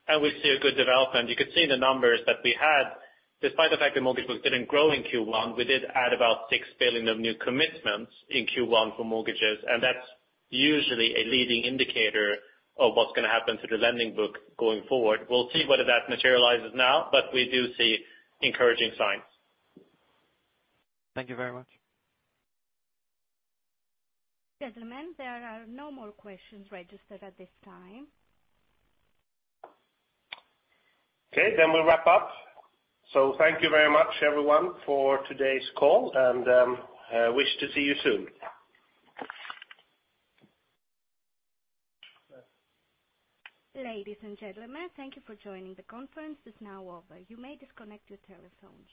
and we see a good development. You could see the numbers that we had. Despite the fact the mortgage books didn't grow in Q1, we did add about 6 billion of new commitments in Q1 for mortgages, and that's usually a leading indicator of what's gonna happen to the lending book going forward. We'll see whether that materializes now, but we do see encouraging signs. Thank you very much. Gentlemen, there are no more questions registered at this time. We'll wrap up. Thank you very much everyone for today's call and wish to see you soon. Ladies and gentlemen, thank you for joining. The conference is now over. You may disconnect your telephones.